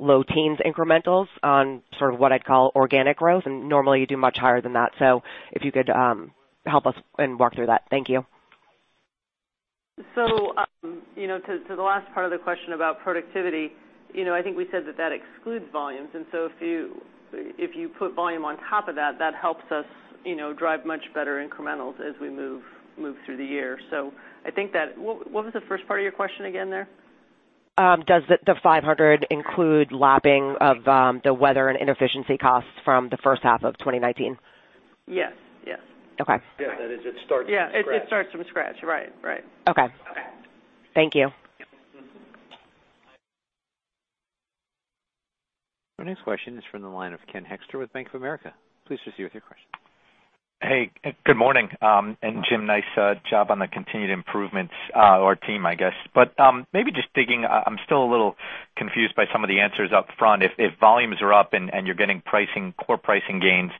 low-teen increments on sort of what I'd call organic growth, and normally you do much higher than that. If you could help us and walk through that. Thank you. You know, to the last part of the question about productivity, you know, I think we said that that excludes volumes. If you put volume on top of that helps us, you know, drive much better incrementals as we move through the year. I think that what was the first part of your question again? Does the 500 include lapping of the weather and inefficiency costs from the first half of 2019? Yes. Yes. Okay. Yeah. That is, it starts from scratch. Yeah. It starts from scratch. Right. Okay. Thank you. Our next question is from the line of Ken Hoexter with Bank of America. Please proceed with your question. Hey, good morning. Jim Vena, nice job on the continued improvements, or team, I guess. Maybe just digging; I'm still a little confused by some of the answers up front. If volumes are up and you're getting core pricing gains,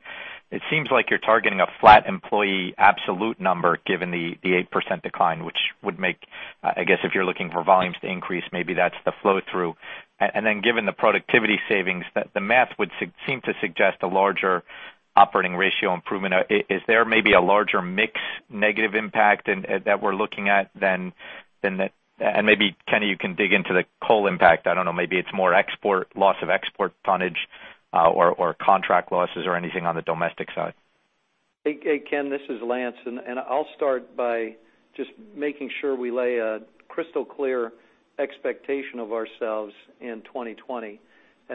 it seems like you're targeting a flat employee absolute number given the 8% decline, which would make, I guess if you're looking for volumes to increase, maybe that's the flow through. Given the productivity savings, the math would seem to suggest a larger operating ratio improvement. Is there maybe a larger mix negative impact in that we're looking at than that? Maybe, Kenny Rocker, you can dig into the coal impact. I don't know, maybe it's more export, loss of export tonnage, or contract losses, or anything on the domestic side. Hey, Ken, this is Lance. I'll start by just making sure we lay a crystal-clear expectation of ourselves in 2020.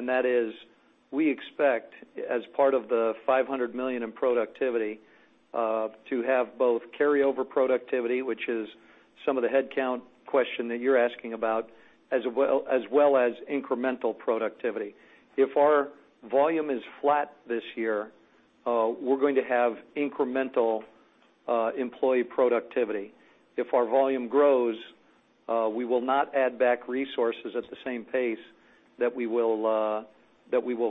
That is, we expect as part of the $500 million in productivity to have both carryover productivity, which is some of the headcount question that you're asking about, as well as incremental productivity. If our volume is flat this year, we're going to have incremental employee productivity. If our volume grows, we will not add back resources at the same pace that we will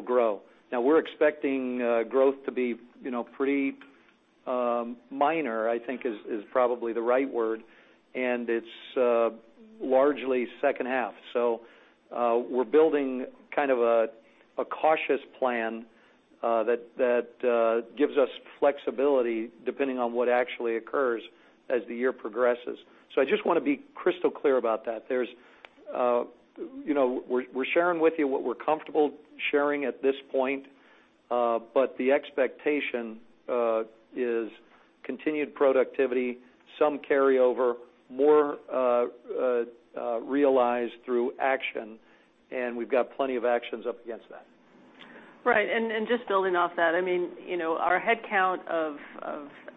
grow. Now, we're expecting growth to be, you know, pretty minor, I think is probably the right word, and it's largely in the second half. We're building kind of a cautious plan that gives us flexibility depending on what actually occurs as the year progresses. I just wanna be crystal clear about that. There's, you know, we're sharing with you what we're comfortable sharing at this point. The expectation is continued productivity, some carryover, more, realized through action, and we've got plenty of actions up against that. Right. Just building off that, I mean, you know, our headcount of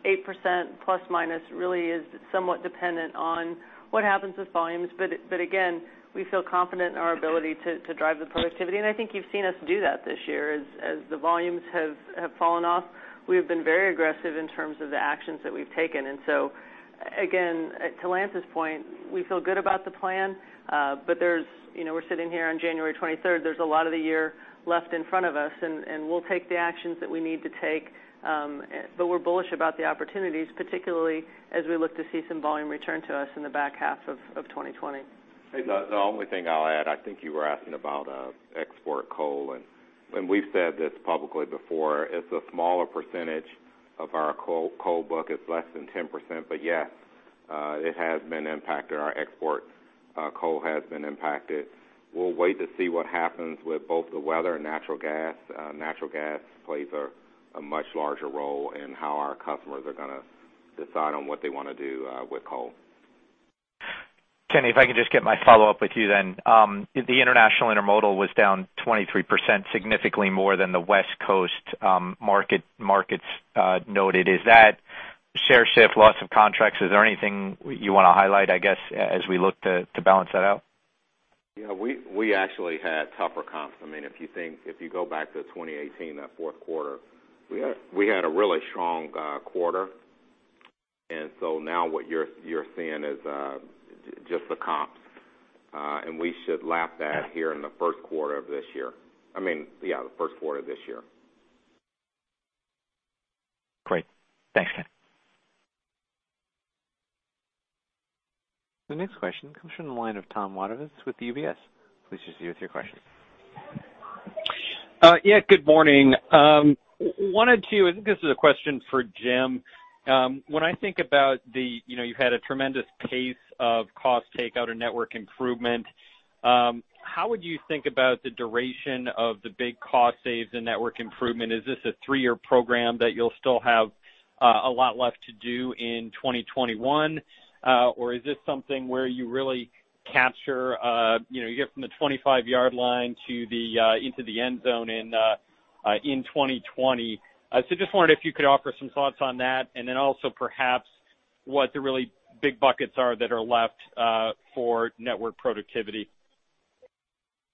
8%± really is somewhat dependent on what happens with volumes. Again, we feel confident in our ability to drive productivity, and I think you've seen us do that this year. As the volumes have fallen off, we've been very aggressive in terms of the actions that we've taken. Again, to Lance's point, we feel good about the plan. There's, you know, we're sitting here on January 23rd; there's a lot of the year left in front of us, and we'll take the actions that we need to take. We're bullish about the opportunities, particularly as we look to see some volume return to us in the back half of 2020. The only thing I'll add is I think you were asking about export coal. We've said this publicly before; it's a smaller percentage of our coal book. It's less than 10%. Yes, it has been impacted. Our export coal has been impacted. We'll wait to see what happens with both the weather and natural gas. Natural gas plays a much larger role in how our customers are gonna decide on what they wanna do with coal. Kenny, I can just get my follow-up with you then. The international intermodal was down 23%, significantly more than the West Coast markets, noted. Is that Share shift, loss of contracts, is there anything you want to highlight, I guess, as we look to balance that out? Yeah, we actually had tougher comps. I mean, if you go back to 2018, that fourth quarter, we had a really strong quarter. Now what you're seeing is just the comps, and we should lap that here in the first quarter of this year. I mean, yeah, the first quarter of this year. Great. Thanks, Ken. The next question comes from the line of Tom Wadewitz with UBS. Please proceed with your question. Good morning. I think this is a question for Jim Vena. When I think about the, you know, tremendous pace of cost takeout and network improvement, how would you think about the duration of the big cost saves and network improvement? Is this a three-year program? Will you still have a lot left to do in 2021? Or is this something where you really capture, you know, you get from the 25-yard line into the end zone in 2020? Just wondered if you could offer some thoughts on that, and then also perhaps what the really big buckets are that are left for network productivity.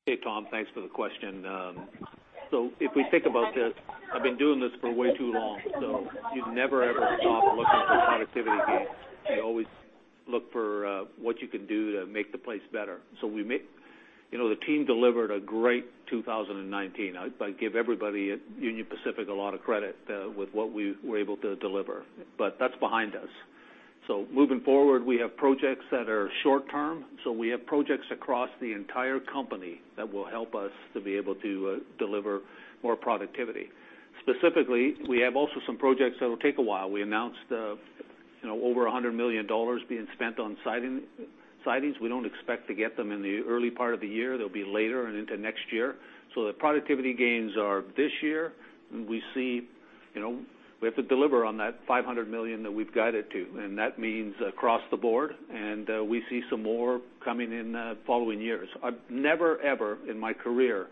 Hey, Tom, thanks for the question. If we think about this, I've been doing this for way too long; you never, ever stop looking for productivity gains. You always look for what you can do to make the place better. You know, the team delivered a great 2019. I give everybody at Union Pacific a lot of credit with what we were able to deliver, but that's behind us. Moving forward, we have short-term projects. We have projects across the entire company that will help us to be able to deliver more productivity. Specifically, we also have some projects that will take a while. We announced, you know, over $100 million being spent on siding, sidings. We don't expect to get them in the early part of the year. They'll be late and into next year. The productivity gains are this year, and we see, you know, we have to deliver on that $500 million that we've guided to, and that means across the board, and we see some more coming in in the following years. I've never, ever in my career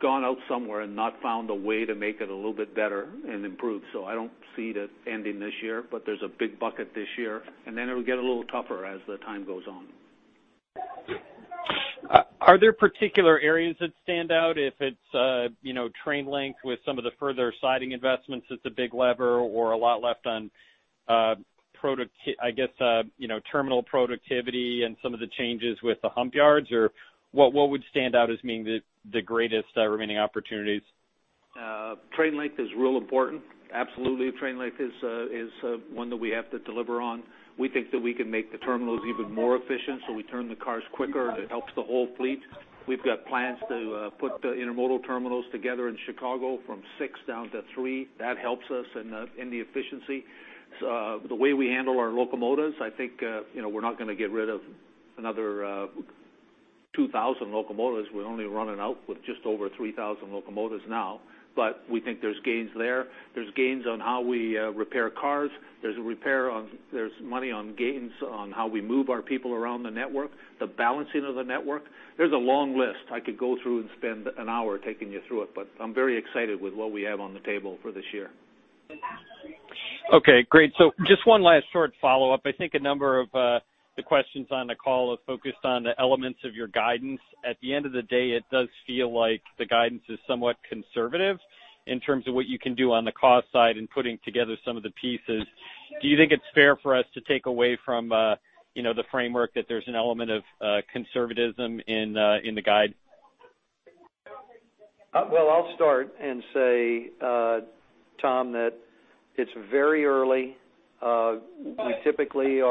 gone out somewhere and not found a way to make it a little bit better and improved. I don't see it ending this year, but there's a big bucket this year, and then it'll get a little tougher as the time goes on. Are there particular areas that stand out? If it's, you know, train length with some of the further siding investments, that's a big lever, or a lot is left on, I guess, you know, terminal productivity and some of the changes with the hump yards, or what would stand out as being the greatest remaining opportunities? Train length is really important. Absolutely, train length is one that we have to deliver on. We think that we can make the terminals even more efficient, so we turn the cars quicker, and it helps the whole fleet. We've got plans to put the intermodal terminals together in Chicago from six down-three. That helps us in the efficiency. The way we handle our locomotives, I think, you know, we're not gonna get rid of another 2,000 locomotives. We're only running out with just over 3,000 locomotives now, but we think there are gains there. There are gains on how we repair cars. There are gains on how we move our people around the network, the balancing of the network. There's a long list I could go through and spend an hour taking you through it, but I'm very excited with what we have on the table for this year. Okay, great. Just one last short follow-up. I think a number of the questions on the call are focused on the elements of your guidance. At the end of the day, it does feel like the guidance is somewhat conservative in terms of what you can do on the cost side and putting together some of the pieces. Do you think it's fair for us to take away from, you know, the framework that there's an element of conservatism in the guide? Well, I'll start and say, Tom, that it's very early. We typically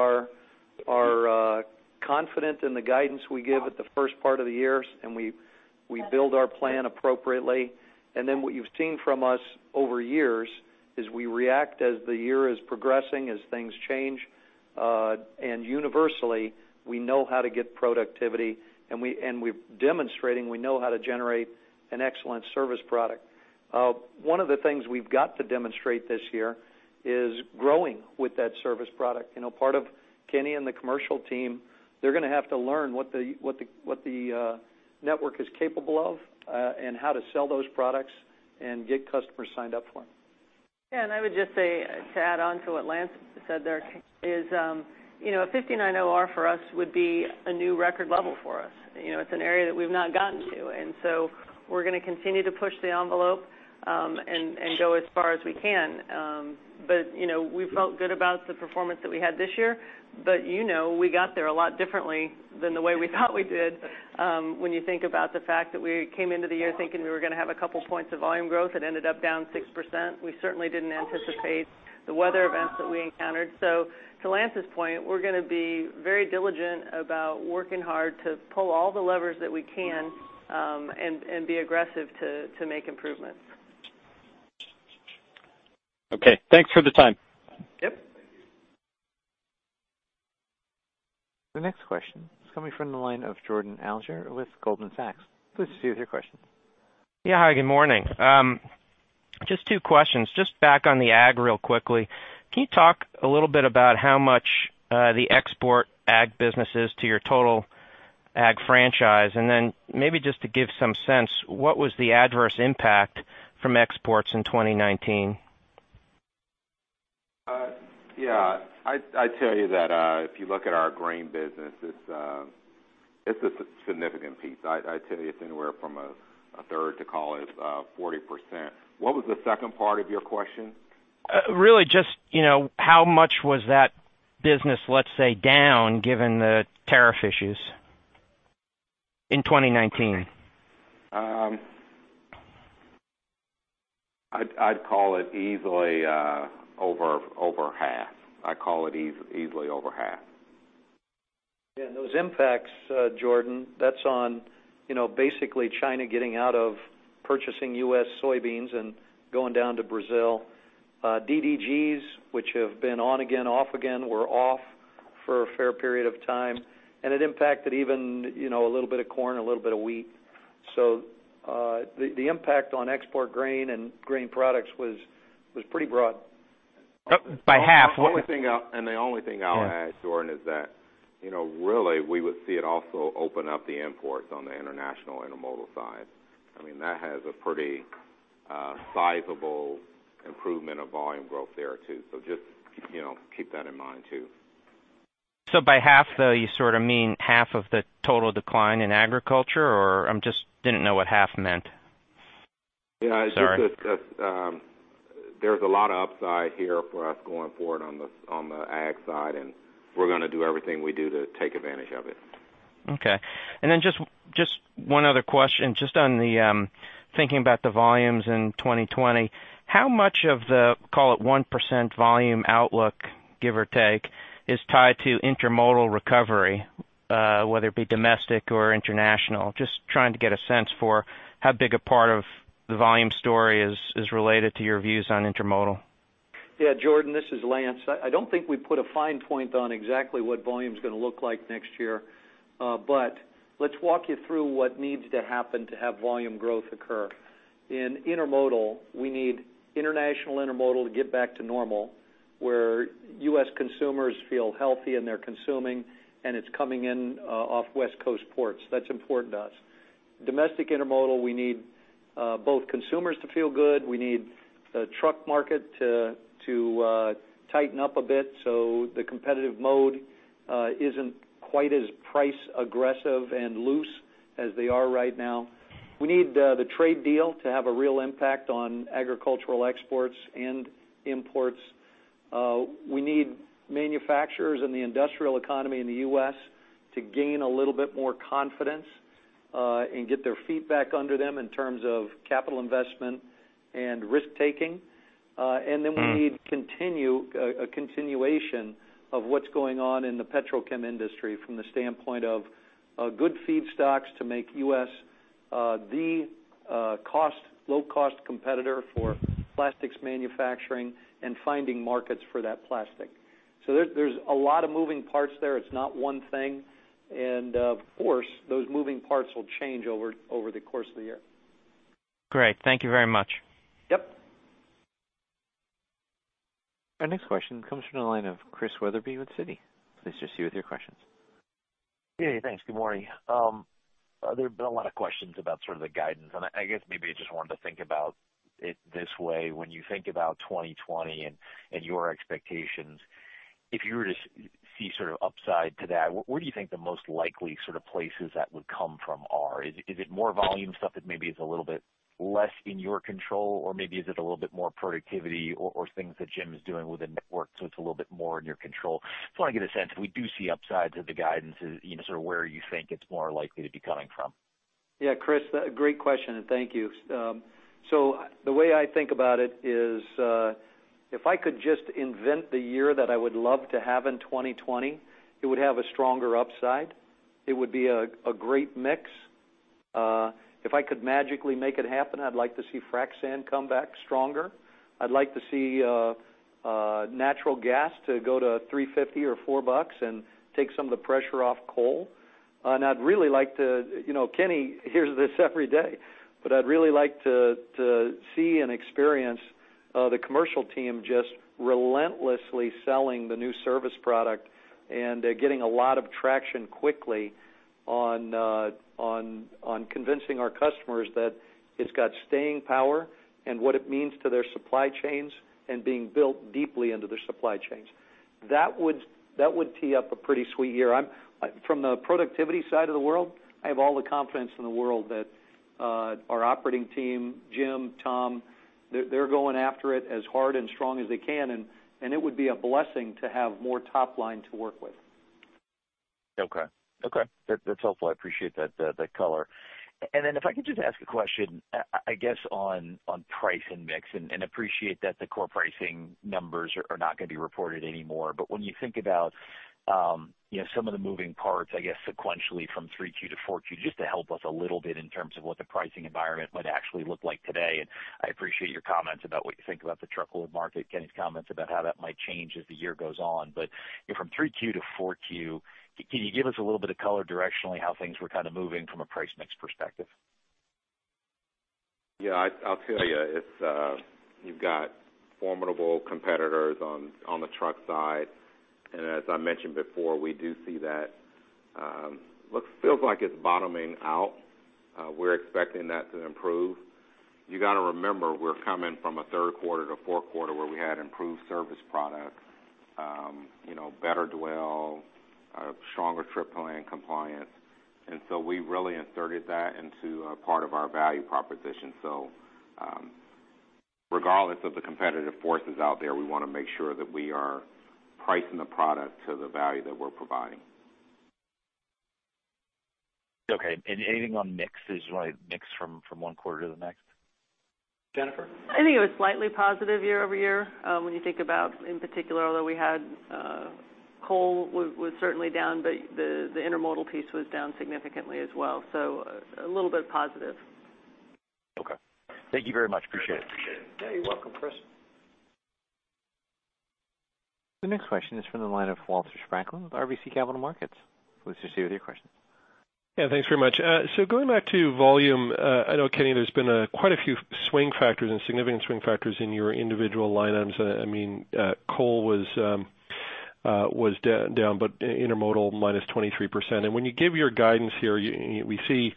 are confident in the guidance we give at the first part of the year, and we build our plan appropriately. Then what you've seen from us over years is we react as the year is progressing, as things change, and universally, we know how to get productivity, and we've demonstrating we know how to generate an excellent service product. One of the things we've got to demonstrate this year is growing with that service product. You know, part of Kenny and the commercial team, they're gonna have to learn what the network is capable of, and how to sell those products and get customers signed up for them. Yeah, I would just say to add on to what Lance said: there is, you know, a 59 OR for us would be a new record level for us. You know, it's an area that we've not gotten to, so we're gonna continue to push the envelope and go as far as we can. You know, we felt good about the performance that we had this year, but, you know, we got there a lot differently than the way we thought we did; when you think about the fact that we came into the year thinking we were gonna have 2 points of volume growth, it ended up down 6%. We certainly didn't anticipate the weather events that we encountered. To Lance's point, we're going to be very diligent about working hard to pull all the levers that we can, and be aggressive to make improvements. Okay, thanks for the time. Yep. The next question is coming from the line of Jordan Alliger with Goldman Sachs. Please proceed with your question. Yeah, hi, good morning. Just two questions. Just back on the ag real quickly. Can you talk a little bit about how much the export agribusiness is to your total ag franchise? Then maybe just to give some sense, what was the adverse impact from exports in 2019? Yeah, I'd tell you that if you look at our grain business, it's a significant piece. I'd say it's anywhere from a third to, call it, 40%. What was the second part of your question? Really just, you know, how much was that business, let's say, down given the tariff issues in 2019? I'd call it easily over half. I'd call it easily over half. Those impacts, Jordan, that's on, you know, basically China getting out of purchasing U.S. soybeans and going down to Brazil. DDGs, which have been on again, off again, were off for a fair period of time, and it impacted even, you know, a little bit of corn and a little bit of wheat. The impact on export grain and grain products was pretty broad. By half. The only thing I'll add, Jordan, is that, you know, really we would see it also open up the imports on the international intermodal side. I mean, that has a pretty sizable improvement of volume growth there too. Just, you know, keep that in mind too. By half though, you sort of mean half of the total decline in agriculture? I just didn't know what half meant. Sorry. Yeah, it's just that there's a lot of upside here for us going forward on the ag side, and we're gonna do everything we do to take advantage of it. Okay. Just one other question: just on the thinking about the volumes in 2020, how much of the, call it, 1% volume outlook, give or take, is tied to intermodal recovery, whether it be domestic or international? Just trying to get a sense of how big a part of the volume story is related to your views on intermodal. Yeah, Jordan, this is Lance. I don't think we put a fine point on exactly what volume's gonna look like next year. Let's walk you through what needs to happen to have volume growth occur. In intermodal, we need international intermodal to get back to normal, where U.S. consumers feel healthy and they're consuming, and it's coming in off West Coast ports. That's important to us. Domestic intermodal, we need both consumers to feel good. We need the truck market to tighten up a bit so the competitive mode isn't quite as price aggressive and loose as it is right now. We need the trade deal to have a real impact on agricultural exports and imports. We need manufacturers in the industrial economy in the U.S. to gain a little bit more confidence and get their feet back under them in terms of capital investment and risk-taking. Then we need a continuation of what's going on in the petrochem industry from the standpoint of good feedstocks to make U.S. the low-cost competitor for plastics manufacturing and finding markets for that plastic. There, there are a lot of moving parts there. It's not one thing. Of course, those moving parts will change over the course of the year. Great. Thank you very much. Yep. Our next question comes from the line of Chris Wetherbee with Citi. Please proceed with your questions. Yeah, thanks. Good morning. There have been a lot of questions about sort of the guidance; I guess maybe I just wanted to think about it this way. When you think about 2020 and your expectations, if you were to see sort of upside to that, where do you think the most likely sort of places that would come from are? Is it more volume stuff that maybe is a little bit less in your control? Maybe is it a little bit more productivity or things that Jim is doing with the network, so it's a little bit more in your control? Just wanna get a sense if we do see upsides of the guidance is, you know, sort of where you think it's more likely to be coming from. Yeah, Chris, great question, and thank you. The way I think about it is, if I could just invent the year that I would love to have in 2020, it would have a stronger upside. It would be a great mix. If I could magically make it happen, I'd like to see frac sand come back stronger. I'd like to see natural gas go to $3.50 or $4 and take some of the pressure off coal. I'd really like to, you know, Kenny hears this every day, but I'd really like to see and experience the commercial team just relentlessly selling the new service product and getting a lot of traction quickly on convincing our customers that it's got staying power and what it means to their supply chains and being built deeply into their supply chains. That would tee up a pretty sweet year. From the productivity side of the world, I have all the confidence in the world that our operating team, Jim and Tom, are going after it as hard and strong as they can, and it would be a blessing to have more top line to work with. Okay. Okay. That's helpful. I appreciate that color. Then if I could just ask a question, I guess, on price and mix, I would appreciate that the core pricing numbers are not gonna be reported anymore. When you think about, you know, some of the moving parts, I guess sequentially from 3Q to 4Q, just to help us a little bit in terms of what the pricing environment might actually look like today. I appreciate your comments about what you think about the truckload market and Kenny's comments about how that might change as the year goes on. You know, from 3Q to 4Q, can you give us a little bit of color directionally how things were kind of moving from a price mix perspective? I'll tell you, you've got formidable competitors on the truck side. As I mentioned before, we do see it feels like it's bottoming out. We're expecting that to improve. You gotta remember, we're coming from a third quarter to a fourth quarter where we had improved service products, you know, better dwell and stronger trip planning compliance. We really inserted that into a part of our value proposition. Regardless of the competitive forces out there, we wanna make sure that we are pricing the product to the value that we're providing. Okay. Anything on mixes, right? Mix from one quarter to the next? Jennifer? I think it was slightly positive year-over-year. When you think about in particular, although we had coal was certainly down, but the intermodal piece was down significantly as well. A little bit positive. Okay. Thank you very much. Appreciate it. Appreciate it. Yeah, you're welcome, Chris. The next question is from the line of Walter Spracklin with RBC Capital Markets. Please proceed with your question. Yeah, thanks very much. Going back to volume, I know, Kenny, there have been quite a few swing factors and significant swing factors in your individual line items. I mean, coal was down, but intermodal was -23%. When you give your guidance here, you know, we see,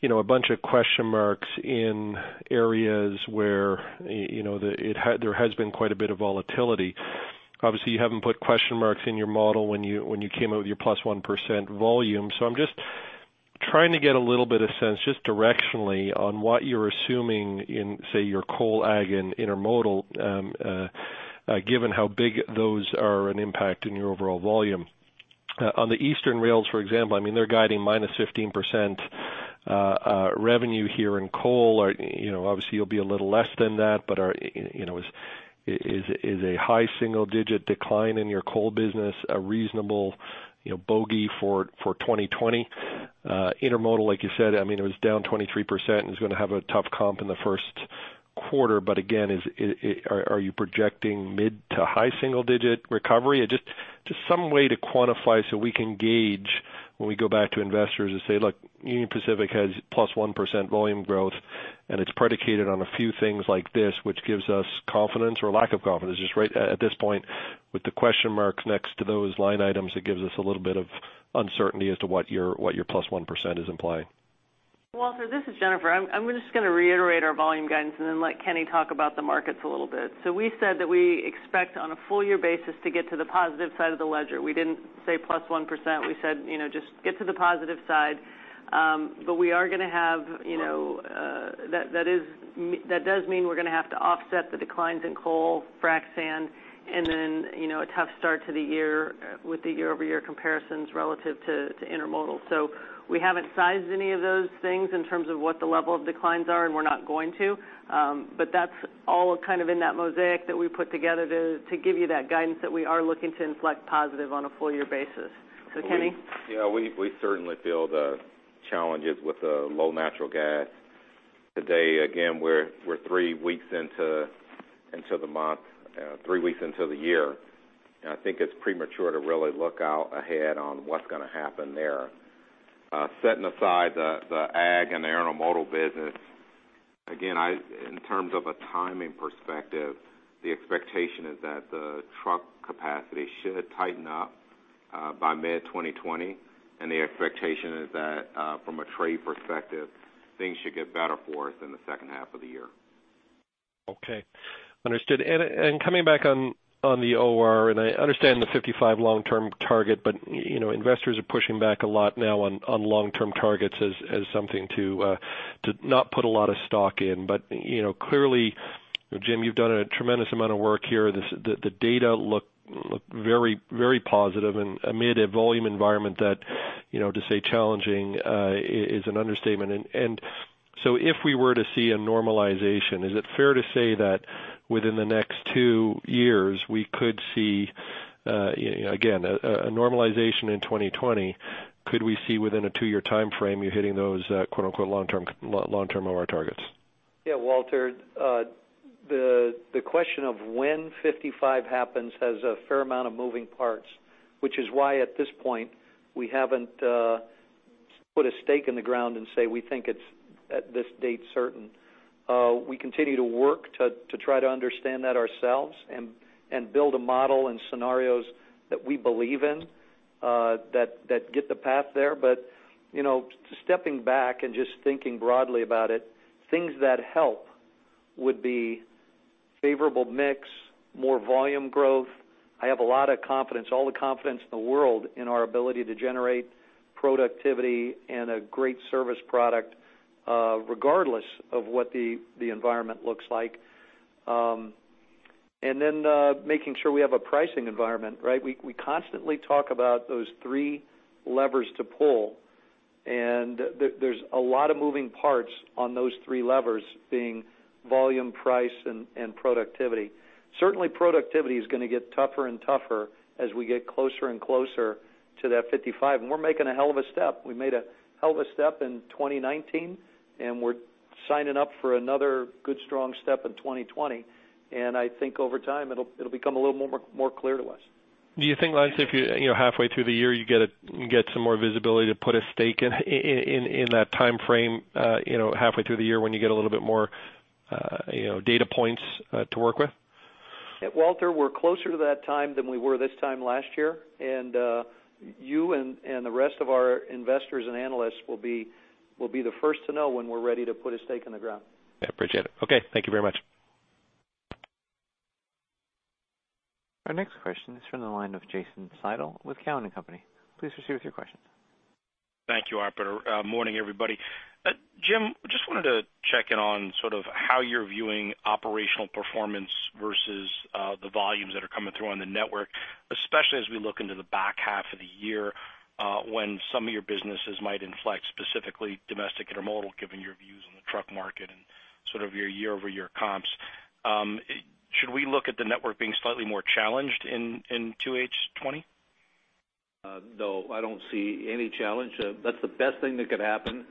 you know, a bunch of question marks in areas where there has been quite a bit of volatility. Obviously, you haven't put question marks in your model when you came out with your +1% volume. I'm just trying to get a little bit of sense, just directionally, on what you're assuming in, say, your coal ag and intermodal, given how big those are and impact in your overall volume. On the Eastern rails, for example, I mean, they're guiding -15% revenue here in coal, or, you know, obviously, you'll be a little less than that. Are, you know, is a high single-digit decline in your coal business a reasonable, you know, bogey for 2020? Intermodal, like you said, I mean, it was down 23%, and it's gonna have a tough comp in the first quarter. Again, are you projecting mid to high single-digit recovery? Or just some way to quantify so we can gauge when we go back to investors and say, Look, Union Pacific has +1% volume growth, and it's predicated on a few things like this, which gives us confidence or lack of confidence. Just right at this point with the question marks next to those line items, it gives us a little bit of uncertainty as to what your +1% is implying. Walter, this is Jennifer. I'm just gonna reiterate our volume guidance. Then let Kenny talk about the markets a little bit. We said that we expect on a full-year basis to get to the positive side of the ledger. We didn't say +1%. We said, you know, just get to the positive side. We are gonna have, you know, that does mean we're gonna have to offset the declines in coal and frac sand and then, you know, a tough start to the year with the year-over-year comparisons relative to intermodal. We haven't sized any of those things in terms of what the levels of declines are. We're not going to. That's all kind of in that mosaic that we put together to give you that guidance that we are looking to effect positively on a full-year basis. Kenny. Yeah, we certainly feel the challenges with the low natural gas. Today, again, we're three weeks into the month, three weeks into the year. I think it's premature to really look ahead on what's gonna happen there. Setting aside the AG and the intermodal business, again, in terms of a timing perspective, the expectation is that the truck capacity should tighten up by mid-2020, and the expectation is that from a trade perspective, things should get better for us in the second half of the year. Okay. Understood. Coming back on the OR, I understand the 55 long-term target; you know, investors are pushing back a lot now on long-term targets as something to not put a lot of stock in. You know, clearly, Jim, you've done a tremendous amount of work here. The data look very, very positive amid a volume environment that, you know, to say challenging is an understatement. So if we were to see a normalization, is it fair to say that within the next two years, we could see, you know, again, a normalization in 2020? Could we see, within a two-year timeframe, you hitting those quote-unquote long-term OR targets? Yeah, Walter, the question of when 55 happens has a fair amount of moving parts, which is why at this point, we haven't put a stake in the ground and said we think it's at this date certain. We continue to work to try to understand that ourselves and build a model and scenarios that we believe in that get the path there. You know, stepping back and just thinking broadly about it, things that help would be a favorable mix and more volume growth. I have a lot of confidence, all the confidence in the world, in our ability to generate productivity and a great service product, regardless of what the environment looks like. Then, making sure we have a pricing environment, right? We constantly talk about those three levers to pull; there are a lot of moving parts on those three levers being volume, price, and productivity. Certainly, productivity is gonna get tougher and tougher as we get closer and closer to that 55. We're making a hell of a step. We made a hell of a step in 2019, and we're signing up for another good, strong step in 2020. I think over time, it'll become a little more clear to us. Do you think, Lance, if you know, halfway through the year, you get some more visibility to put a stake in that timeframe, you know, halfway through the year when you get a little bit more, you know, data points to work with? Walter, we're closer to that time than we were this time last year, and you and the rest of our investors and analysts will be the first to know when we're ready to put a stake in the ground. I appreciate it. Okay. Thank you very much. Our next question is from the line of Jason Seidl with Cowen and Company. Please proceed with your question. Thank you, operator. Morning, everybody. Jim, just wanted to check in on sort of how you're viewing operational performance versus the volumes that are coming through on the network, especially as we look into the back half of the year, when some of your businesses might inflect, specifically domestic intermodal, given your views on the truck market and sort of your year-over-year comps. Should we look at the network being slightly more challenged in 2H 2020? No, I don't see any challenge. That's the best thing that could happen,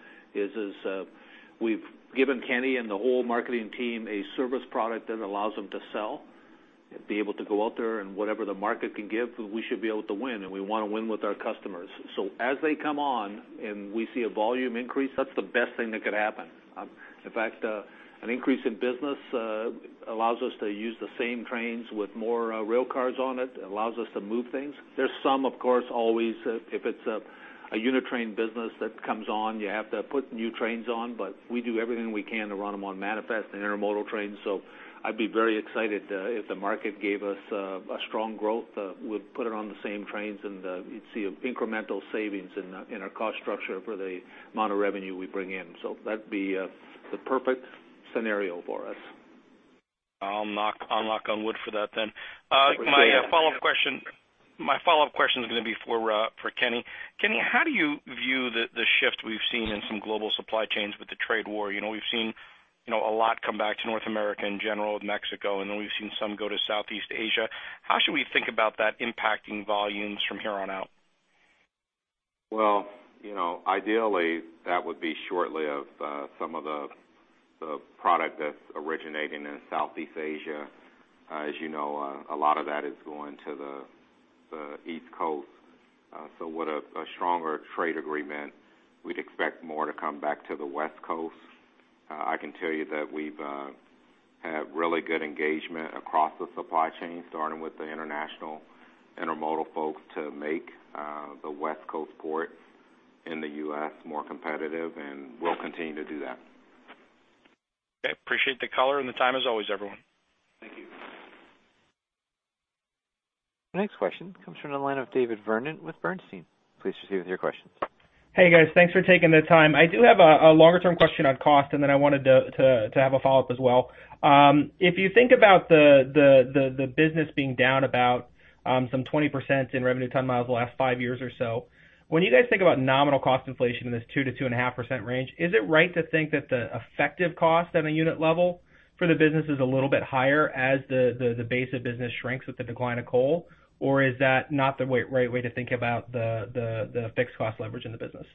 we've given Kenny and the whole marketing team a service product that allows them to sell and be able to go out there and whatever the market can give, we should be able to win, and we wanna win with our customers. As they come on and we see a volume increase, that's the best thing that could happen. In fact, an increase in business allows us to use the same trains with more railcars on it. It allows us to move things. There's some, of course, always, if it's a unit train business that comes on, you have to put new trains on, but we do everything we can to run them on manifest and intermodal trains. I'd be very excited if the market gave us a strong growth. We'd put it on the same trains and you'd see incremental savings in our cost structure for the amount of revenue we bring in. That'd be the perfect scenario for us. I'll knock on wood for that then. My follow-up question is gonna be for Kenny. Kenny, how do you view the shift we've seen in some global supply chains with the trade war? You know, we've seen, you know, a lot come back to North America in general with Mexico, then we've seen some go to Southeast Asia. How should we think about that impacting volumes from here on out? Well, you know, ideally, that would be short-lived. Some of the product that's originating in Southeast Asia, as you know, a lot of that is going to the East Coast. With a stronger trade agreement, we'd expect more to come back to the West Coast. I can tell you that we've had really good engagement across the supply chain, starting with the international intermodal folks to make the West Coast ports in the U.S. more competitive, and we'll continue to do that. Okay. Appreciate the color and the time as always, everyone. Thank you. Next question comes from the line of David Vernon with Bernstein. Please proceed with your questions. Hey, guys. Thanks for taking the time. I do have a longer-term question on cost, and then I wanted to have a follow-up as well. If you think about the business being down about 20% in revenue ton miles in the last five years or so, when you guys think about nominal cost inflation in this 2%-2.5% range, is it right to think that the effective cost on a unit level for the business is a little bit higher as the base of business shrinks with the decline of coal? Or is that not the right way to think about the fixed cost leverage in the business?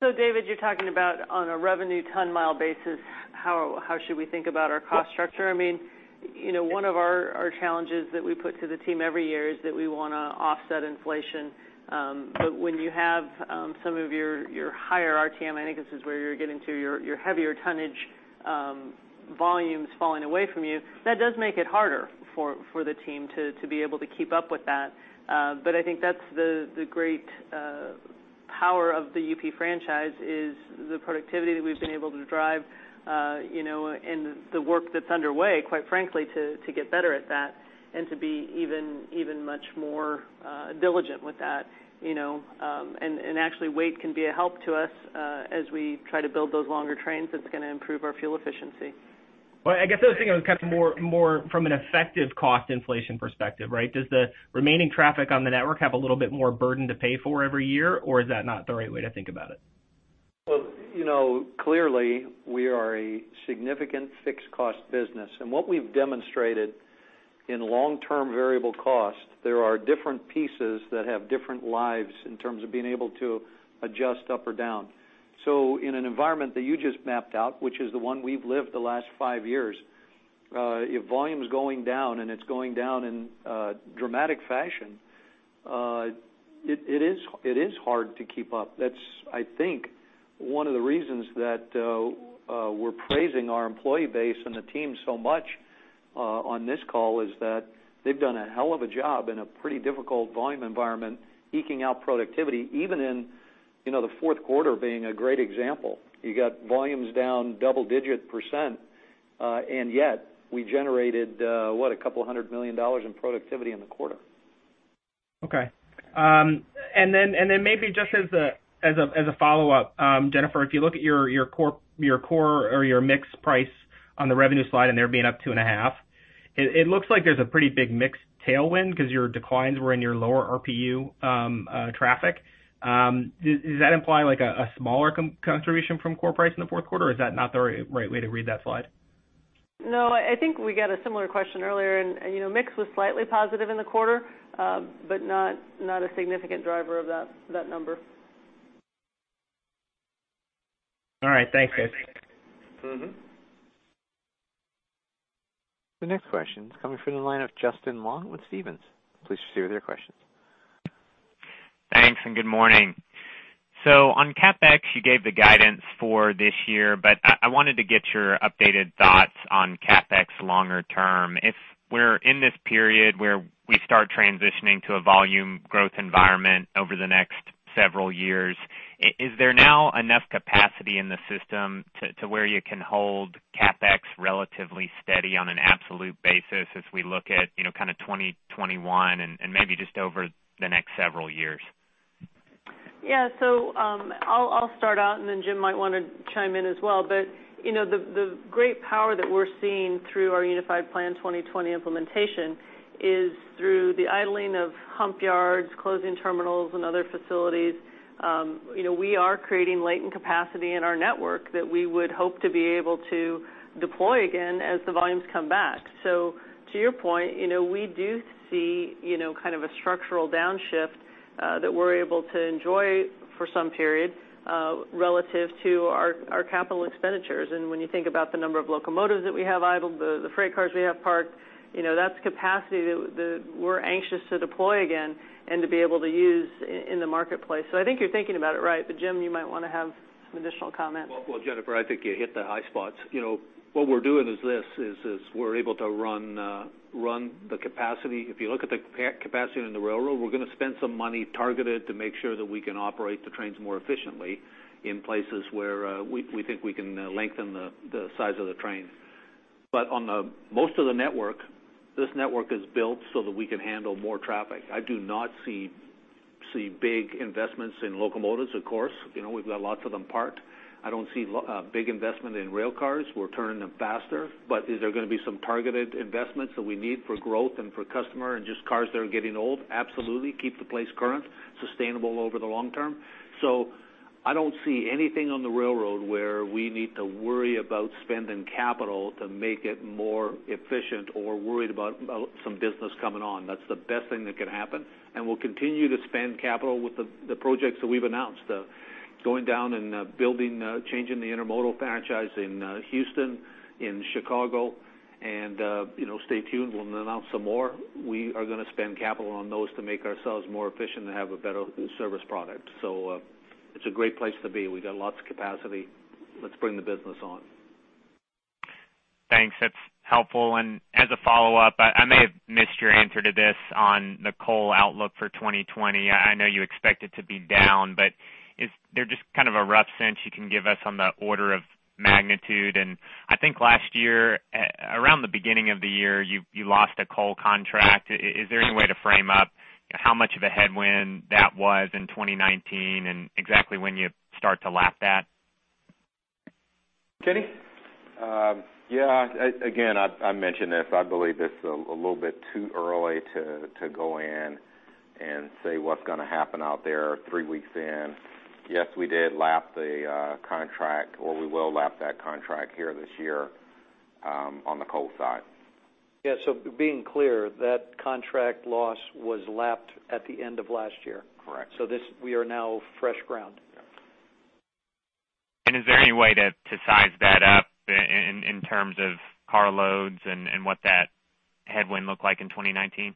David, you're talking about on a revenue ton-mile basis; how should we think about our cost structure? I mean, you know, one of our challenges that we put to the team every year is that we wanna offset inflation. When you have some of your higher RTM, I think this is where you're getting to your heavier tonnage, volumes falling away from you, that does make it harder for the team to be able to keep up with that. I think that's the great power of the UP franchise is the productivity that we've been able to drive, you know, and the work that's underway, quite frankly, to get better at that and to be even much more diligent with that, you know. Actually, weight can be a help to us, as we try to build those longer trains, it's gonna improve our fuel efficiency. Well, I guess I was thinking of kind of more from an effective cost inflation perspective, right? Does the remaining traffic on the network have a little bit more burden to pay for every year, or is that not the right way to think about it? Well, you know, clearly, we are a significant fixed cost business, and what we've demonstrated in long-term variable cost, there are different pieces that have different lives in terms of being able to adjust up or down. In an environment that you just mapped out, which is the one we've lived the last five years, if volume is going down and it's going down in a dramatic fashion, it is hard to keep up. That's, I think, one of the reasons that we're praising our employee base and the team so much on this call is that they've done a hell of a job in a pretty difficult volume environment, eking out productivity, even in, you know, the fourth quarter being a great example. You got volumes down double-digit percent, yet we generated what? $200 million in productivity in the quarter. Okay. Maybe just as a follow-up, Jennifer, if you look at your core or your mix price on the revenue slide and they're being up 2.5%, it looks like there's a pretty big mix tailwind because your declines were in your lower RPU traffic. Does that imply like a smaller contribution from core price in the fourth quarter, or is that not the right way to read that slide? No, I think we got a similar question earlier and, you know, mix was slightly positive in the quarter but not a significant driver of that number. All right. Thanks, Chris. The next question is coming from the line of Justin Long with Stephens. Please proceed with your questions. Thanks and good morning. On CapEx, you gave the guidance for this year, I wanted to get your updated thoughts on CapEx longer term. If we're in this period where we start transitioning to a volume growth environment over the next several years, is there now enough capacity in the system where you can hold CapEx relatively steady on an absolute basis as we look at, you know, kind of 2021 and maybe just over the next several years? Yeah. I'll start out, and then Jim might wanna chime in as well. You know, the great power that we're seeing through our Unified Plan 2020 implementation is through the idling of hump yards, closing terminals and other facilities. You know, we are creating latent capacity in our network that we would hope to be able to deploy again as the volumes come back. To your point, you know, we do see, you know, kind of a structural downshift that we're able to enjoy for some period relative to our capital expenditures. When you think about the number of locomotives that we have idled and the freight cars we have parked, you know, that's capacity that we're anxious to deploy again and to be able to use in the marketplace. I think you're thinking about it right. Jim Vena, you might want to have some additional comment. Well, Jennifer, I think you hit the high spots. You know, what we're doing is this, is we're able to run the capacity. If you look at the capacity in the railroad, we're gonna spend some money targeted to make sure that we can operate the trains more efficiently in places where we think we can lengthen the size of the train. On most of the network, this network is built so that we can handle more traffic. I do not see big investments in locomotives, of course. You know, we've got lots of them parked. I don't see big investment in rail cars. We're turning them faster. Is there gonna be some targeted investments that we need for growth and for customer and just cars that are getting old? Absolutely, keep the place current, sustainable over the long term. I don't see anything on the railroad where we need to worry about spending capital to make it more efficient or worried about some business coming on. That's the best thing that could happen, and we'll continue to spend capital with the projects that we've announced, going down and building, changing the intermodal franchise in Houston, in Chicago, and, you know, stay tuned, we'll announce some more. We are gonna spend capital on those to make ourselves more efficient and have a better service product. It's a great place to be. We got lots of capacity. Let's bring the business on. Thanks. That's helpful. As a follow-up, I may have missed your answer to this on the coal outlook for 2020. I know you expect it to be down, but is there just kind of a rough sense you can give us on the order of magnitude? I think last year, around the beginning of the year, you lost a coal contract. Is there any way to frame up how much of a headwind that was in 2019 and exactly when you start to lap that? Kenny? Yeah. Again, I mentioned this. I believe it's a little bit too early to go in and say what's gonna happen out there three weeks in. Yes, we did lap the contract, or we will lap that contract here this year, on the coal side. Yeah, being clear, that contract loss was lapped at the end of last year. Correct. We are now fresh ground. Yeah. Is there any way to size that up in terms of car loads and what that headwind looked like in 2019?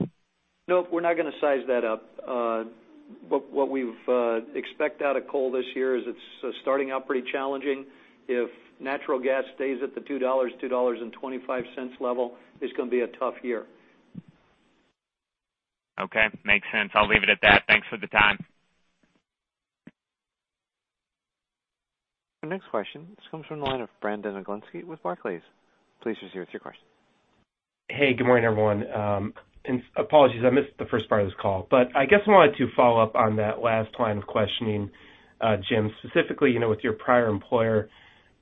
Nope, we're not gonna size that up. What we've expect out of coal this year is it's starting out pretty challenging. If natural gas stays at the $2, $2.25 level, it's gonna be a tough year. Okay. Makes sense. I'll leave it at that. Thanks for the time. Our next question comes from the line of Brandon Oglenski with Barclays. Please proceed with your question. Hey, good morning, everyone. Apologies, I missed the first part of this call. I guess I wanted to follow up on that last line of questioning, Jim. Specifically, you know, with your prior employer,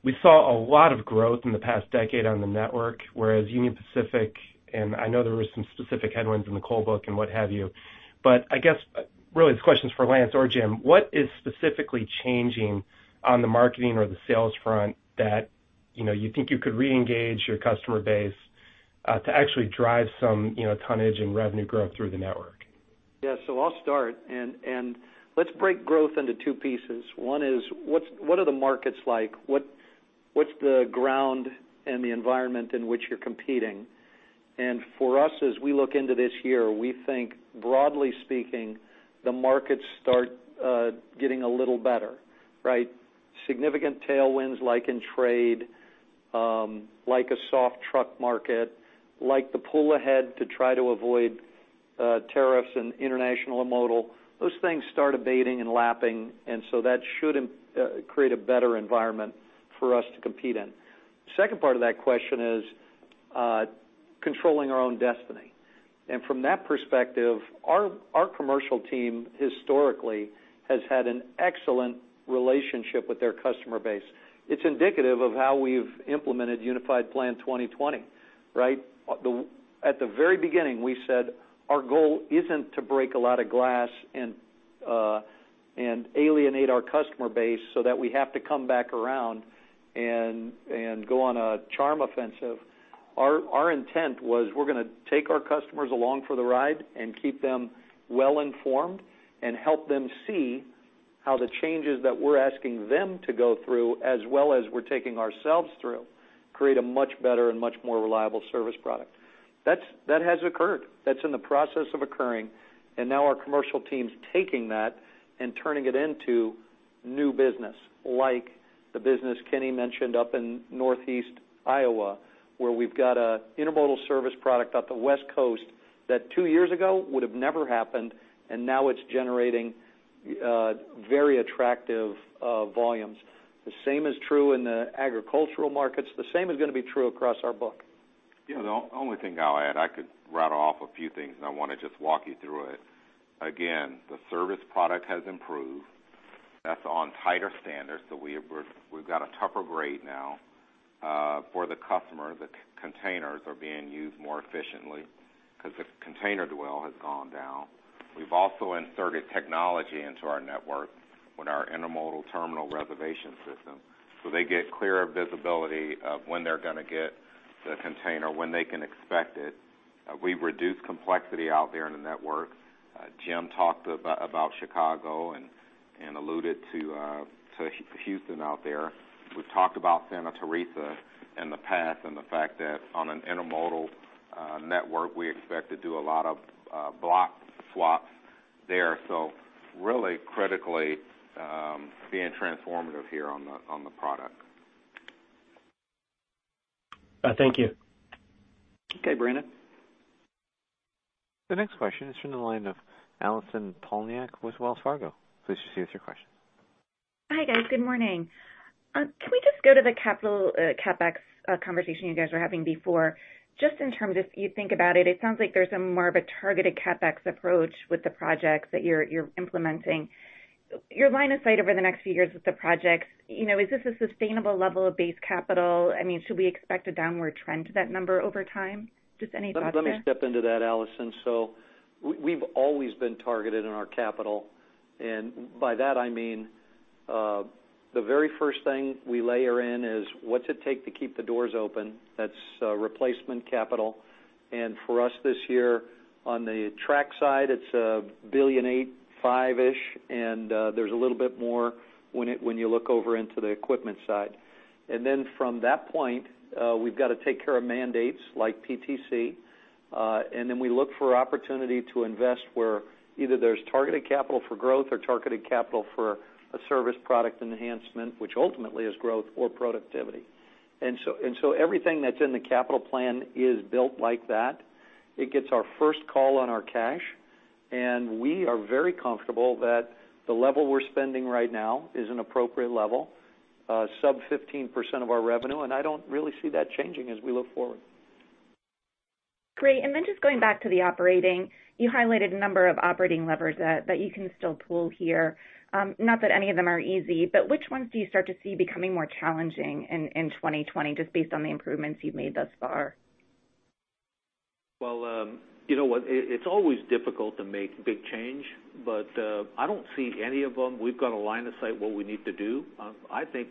we saw a lot of growth in the past decade on the network, whereas Union Pacific, and I know there were some specific headwinds in the coal book and what have you. I guess, really this question's for Lance or Jim, what is specifically changing on the marketing or the sales front that, you know, you think you could reengage your customer base to actually drive some, you know, tonnage and revenue growth through the network? Yeah, I'll start and let's break growth into two pieces. One is what are the markets like? What's the ground and the environment in which you're competing? For us, as we look into this year, we think, broadly speaking, the markets start getting a little better, right? Significant tailwinds like in trade, like a soft truck market, like the pull ahead to try to avoid tariffs in intermodal. Those things starting to abate and lapping, that should create a better environment for us to compete in. Second part of that question is controlling our own destiny. From that perspective, our commercial team historically has had an excellent relationship with their customer base. It's indicative of how we've implemented Unified Plan 2020, right? At the very beginning, we said our goal isn't to break a lot of glass and alienate our customer base so that we have to come back around and go on a charm offensive. Our intent was we're gonna take our customers along for the ride and keep them well-informed and help them see how the changes that we're asking them to go through, as well as we're taking ourselves through, create a much better and much more reliable service product. That has occurred. That's in the process of occurring, and now our commercial team's taking that and turning it into new business, like the business Kenny mentioned up in Northeast Iowa, where we've got a intermodal service product up the West Coast that two years ago would have never happened, and now it's generating very attractive volumes. The same is true in the agricultural markets. The same is gonna be true across our book. Yeah, the only thing I'll add, I could rattle off a few things, and I want to just walk you through it. Again, the service product has improved. That's on tighter standards, so we've got a tougher grade now for the customer. The containers are being used more efficiently because the container dwell has gone down. We've also inserted technology into our network with our Intermodal Terminal Reservation system, so they get clearer visibility of when they're going to get the container, when they can expect it. We've reduced complexity out there in the network. Jim talked about Chicago and alluded to Houston out there. We've talked about Santa Teresa in the past and the fact that on an intermodal network, we expect to do a lot of block swaps there. Really critically, being transformative here on the product. Thank you. Okay, Brandon. The next question is from the line of Allison Poliniak with Wells Fargo. Please proceed with your question. Hi, guys. Good morning. Can we just go to the capital, CapEx, conversation you guys were having before? Just in terms of if you think about it sounds like there's more of a targeted CapEx approach with the projects that you're implementing. Your line of sight over the next few years with the projects, you know, is this a sustainable level of base capital? I mean, should we expect a downward trend to that number over time? Just any thoughts there? Let me step into that, Allison. We've always been targeted in our capital, and by that I mean, the very first thing we layer in is what's it take to keep the doors open? That's replacement capital. For us this year, on the track side, it's $1.85 billion, and there's a little bit more when you look over into the equipment side. Then from that point, we've got to take care of mandates like PTC, and then we look for opportunity to invest where either there's targeted capital for growth or targeted capital for a service product enhancement, which ultimately is growth or productivity. So everything that's in the capital plan is built like that. It gets our first call on our cash, and we are very comfortable that the level we're spending right now is an appropriate level, sub 15% of our revenue, and I don't really see that changing as we look forward. Great. Then just going back to the operating, you highlighted a number of operating levers that you can still pull here. Not that any of them are easy, but which ones do you start to see becoming more challenging in 2020, just based on the improvements you've made thus far? You know what? It, it's always difficult to make big change, but I don't see any of them. We've got a line of sight what we need to do. I think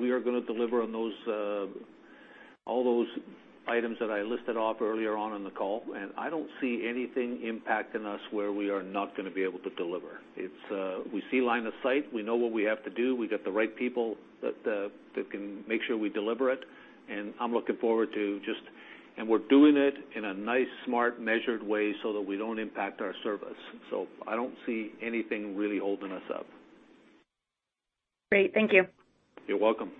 we are gonna deliver on those all those items that I listed off earlier on in the call. I don't see anything impacting us where we are not gonna be able to deliver. It's, we see line of sight. We know what we have to do. We got the right people that can make sure we deliver it. I'm looking forward to. We're doing it in a nice, smart, measured way so that we don't impact our service. I don't see anything really holding us up. Great. Thank you. You're welcome.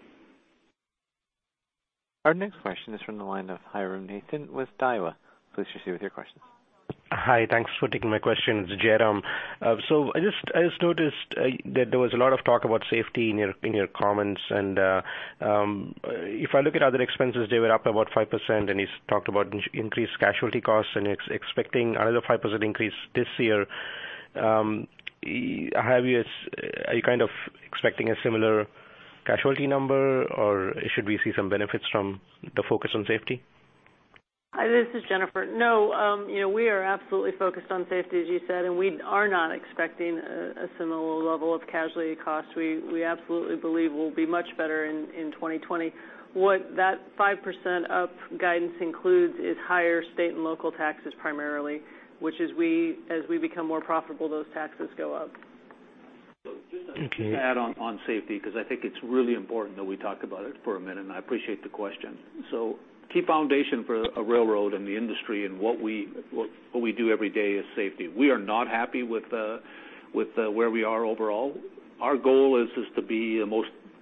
Our next question is from the line of Jairam Nathan with Daiwa. Please proceed with your question. Hi. Thanks for taking my question. It's Jairam. I noticed that there was a lot of talk about safety in your comments. If I look at other expenses, they were up about 5%, and you talked about increased casualty costs, and it's expecting another 5% increase this year. Are you kind of expecting a similar casualty number, or should we see some benefits from the focus on safety? Hi, this is Jennifer. No, you know, we are absolutely focused on safety, as you said. We are not expecting a similar level of casualty costs. We absolutely believe we'll be much better in 2020. What that 5% up guidance includes is higher state and local taxes primarily, which is as we become more profitable, those taxes go up. Okay. Just to add on safety, because I think it's really important that we talk about it for a minute, and I appreciate the question. Key foundation for a railroad and the industry and what we do every day is safety. We are not happy with where we are overall. Our goal is just to be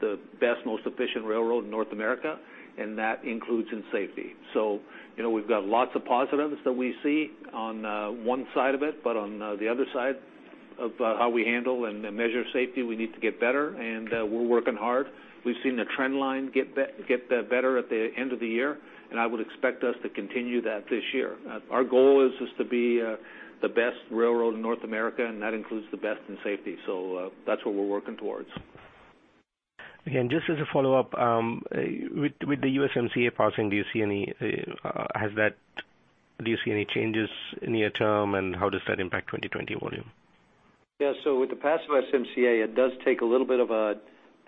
the best, most efficient railroad in North America, and that includes in safety. You know, we've got lots of positives that we see on one side of it, but on the other side of how we handle and measure safety, we need to get better, we're working hard. We've seen the trend line get better at the end of the year, and I would expect us to continue that this year. Our goal is just to be the best railroad in North America, and that includes the best in safety. That's what we're working towards. Again, just as a follow-up, with the USMCA passing, do you see any changes near term, and how does that impact 2020 volume? Yeah. With the passage of USMCA, it does take a little bit of a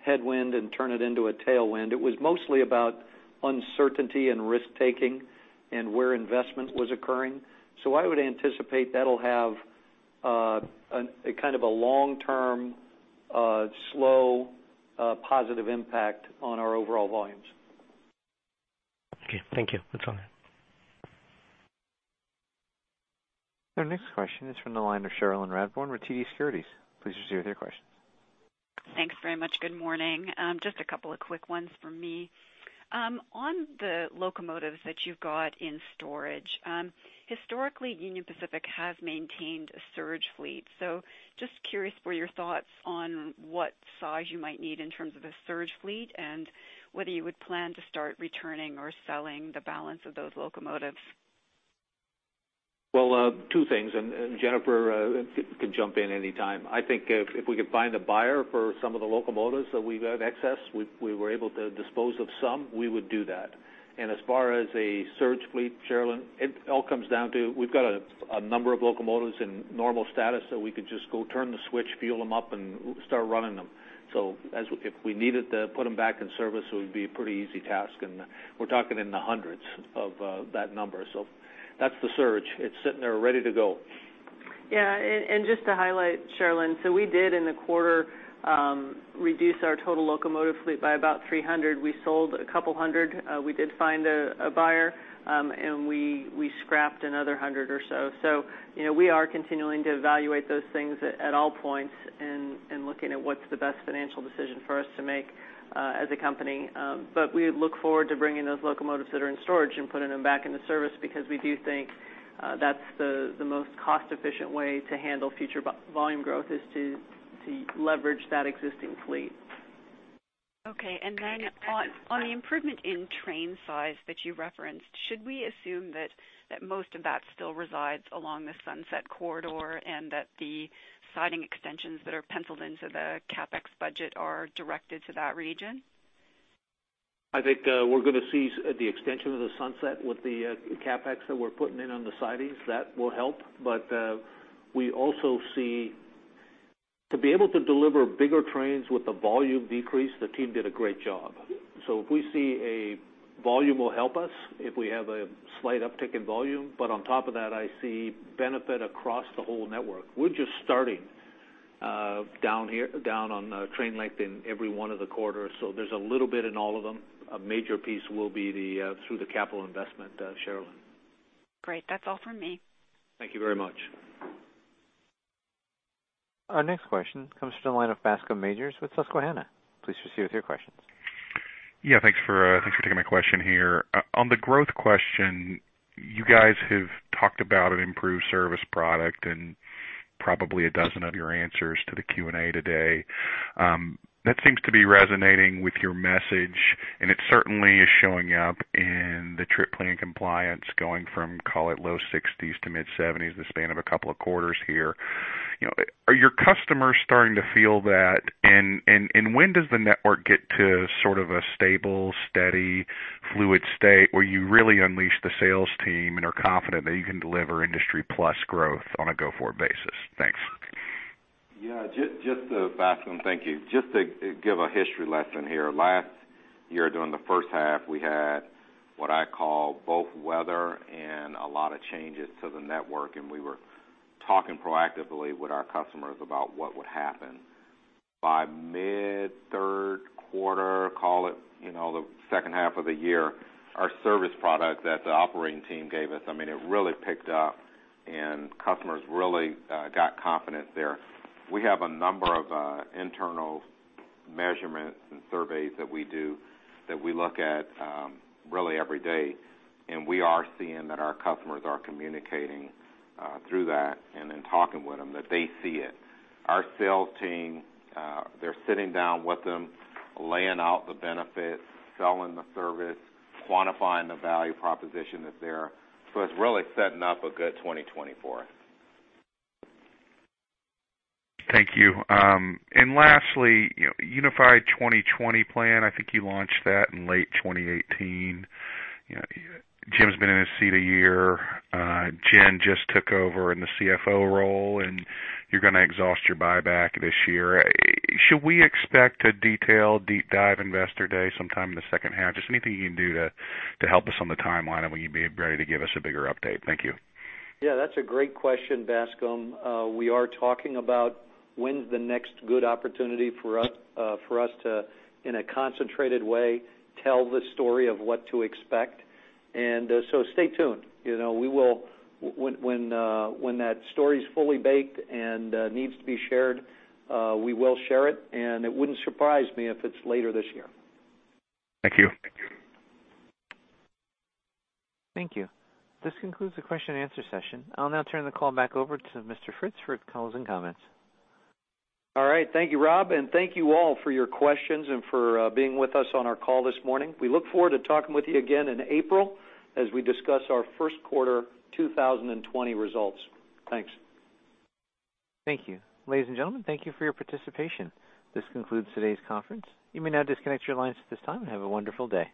headwind and turn it into a tailwind. It was mostly about uncertainty and risk-taking and where investment was occurring. I would anticipate that'll have a kind of a long-term, slow, positive impact on our overall volumes. Okay, thank you. That's all then. Our next question is from the line of Cherilyn Radbourne with TD Securities. Please proceed with your questions. Thanks very much. Good morning. Just a couple of quick ones from me. On the locomotives that you've got in storage, historically, Union Pacific has maintained a surge fleet, so just curious for your thoughts on what size you might need in terms of a surge fleet and whether you would plan to start returning or selling the balance of those locomotives. Well, two things, Jennifer can jump in any time. I think if we could find a buyer for some of the locomotives that we've got excess, we were able to dispose of some, we would do that. As far as a surge fleet, Cherilyn, it all comes down to we've got a number of locomotives in normal status that we could just go turn the switch, fuel them up, and start running them. If we needed to put them back in service, it would be a pretty easy task, we're talking in the hundreds of that number. That's the surge. It's sitting there ready to go. Just to highlight, Cherilyn, we did in the quarter reduce our total locomotive fleet by about 300. We sold a couple hundred, we did find a buyer, and we scrapped another 100 or so. You know, we are continuing to evaluate those things at all points and looking at what's the best financial decision for us to make as a company. We look forward to bringing those locomotives that are in storage and putting them back into service because we do think that's the most cost-efficient way to handle future volume growth, is to leverage that existing fleet. Okay. On the improvement in train size that you referenced, should we assume that most of that still resides along the Sunset Corridor and that the siding extensions that are penciled into the CapEx budget are directed to that region? I think we're gonna see the extension of the sunset with the CapEx that we're putting in on the sidings. That will help. We also see, to be able to deliver bigger trains with the volume decrease, the team did a great job. If we see a volume will help us, if we have a slight uptick in volume, on top of that, I see benefit across the whole network. We're just starting, down here, down on train length in every one of the quarters; there's a little bit in all of them. A major piece will be the, through the capital investment, Cherilyn. Great. That's all from me. Thank you very much. Our next question comes from the line of Bascome Majors with Susquehanna. Please proceed with your questions. Yeah, thanks for taking my question here. On the growth question, you guys have talked about an improved service product in probably 12 of your answers to the Q&A today. That seems to be resonating with your message, and it certainly is showing up in the trip plan compliance going from, call it, low 60s to mid-70s, the span of 2 quarters here. You know, are your customers starting to feel that? And when does the network get to sort of a stable, steady, fluid state where you really unleash the sales team and are confident that you can deliver industry-plus growth on a go-forward basis? Thanks. Just to Bascome, thank you. Just to give a history lesson here. Last year, during the first half, we had what I call both weather and a lot of changes to the network, and we were talking proactively with our customers about what would happen. By mid-third quarter, call it, you know, the second half of the year, our service product that the operating team gave us, I mean, it really picked up, and customers really got confident there. We have a number of internal measurements and surveys that we do that we look at really every day, and we are seeing that our customers are communicating through that and in talking with them, that they see it. Our sales team, they're sitting down with them, laying out the benefits, selling the service, quantifying the value proposition that's there. It's really setting up a good 2024. Thank you. Lastly, you know, Unified Plan 2020, I think you launched that in late 2018. You know, Jim's been in his seat a year, Jen just took over in the CFO role, and you're gonna exhaust your buyback this year. Should we expect a detailed deep dive investor day sometime in the second half? Just anything you can do to help us on the timeline and when you'd be ready to give us a bigger update. Thank you. Yeah, that's a great question, Bascome. We are talking about when's the next good opportunity is for us, for us to, in a concentrated way, tell the story of what to expect. Stay tuned. You know, when that story's fully baked and needs to be shared, we will share it, and it wouldn't surprise me if it's later this year. Thank you. Thank you. This concludes the question and answer session. I'll now turn the call back over to Mr. Fritz for closing comments. All right. Thank you, Rob, and thank you all for your questions and for being with us on our call this morning. We look forward to talking with you again in April as we discuss our first quarter 2020 results. Thanks. Thank you. Ladies and gentlemen, thank you for your participation. This concludes today's conference. You may now disconnect your lines at this time. Have a wonderful day.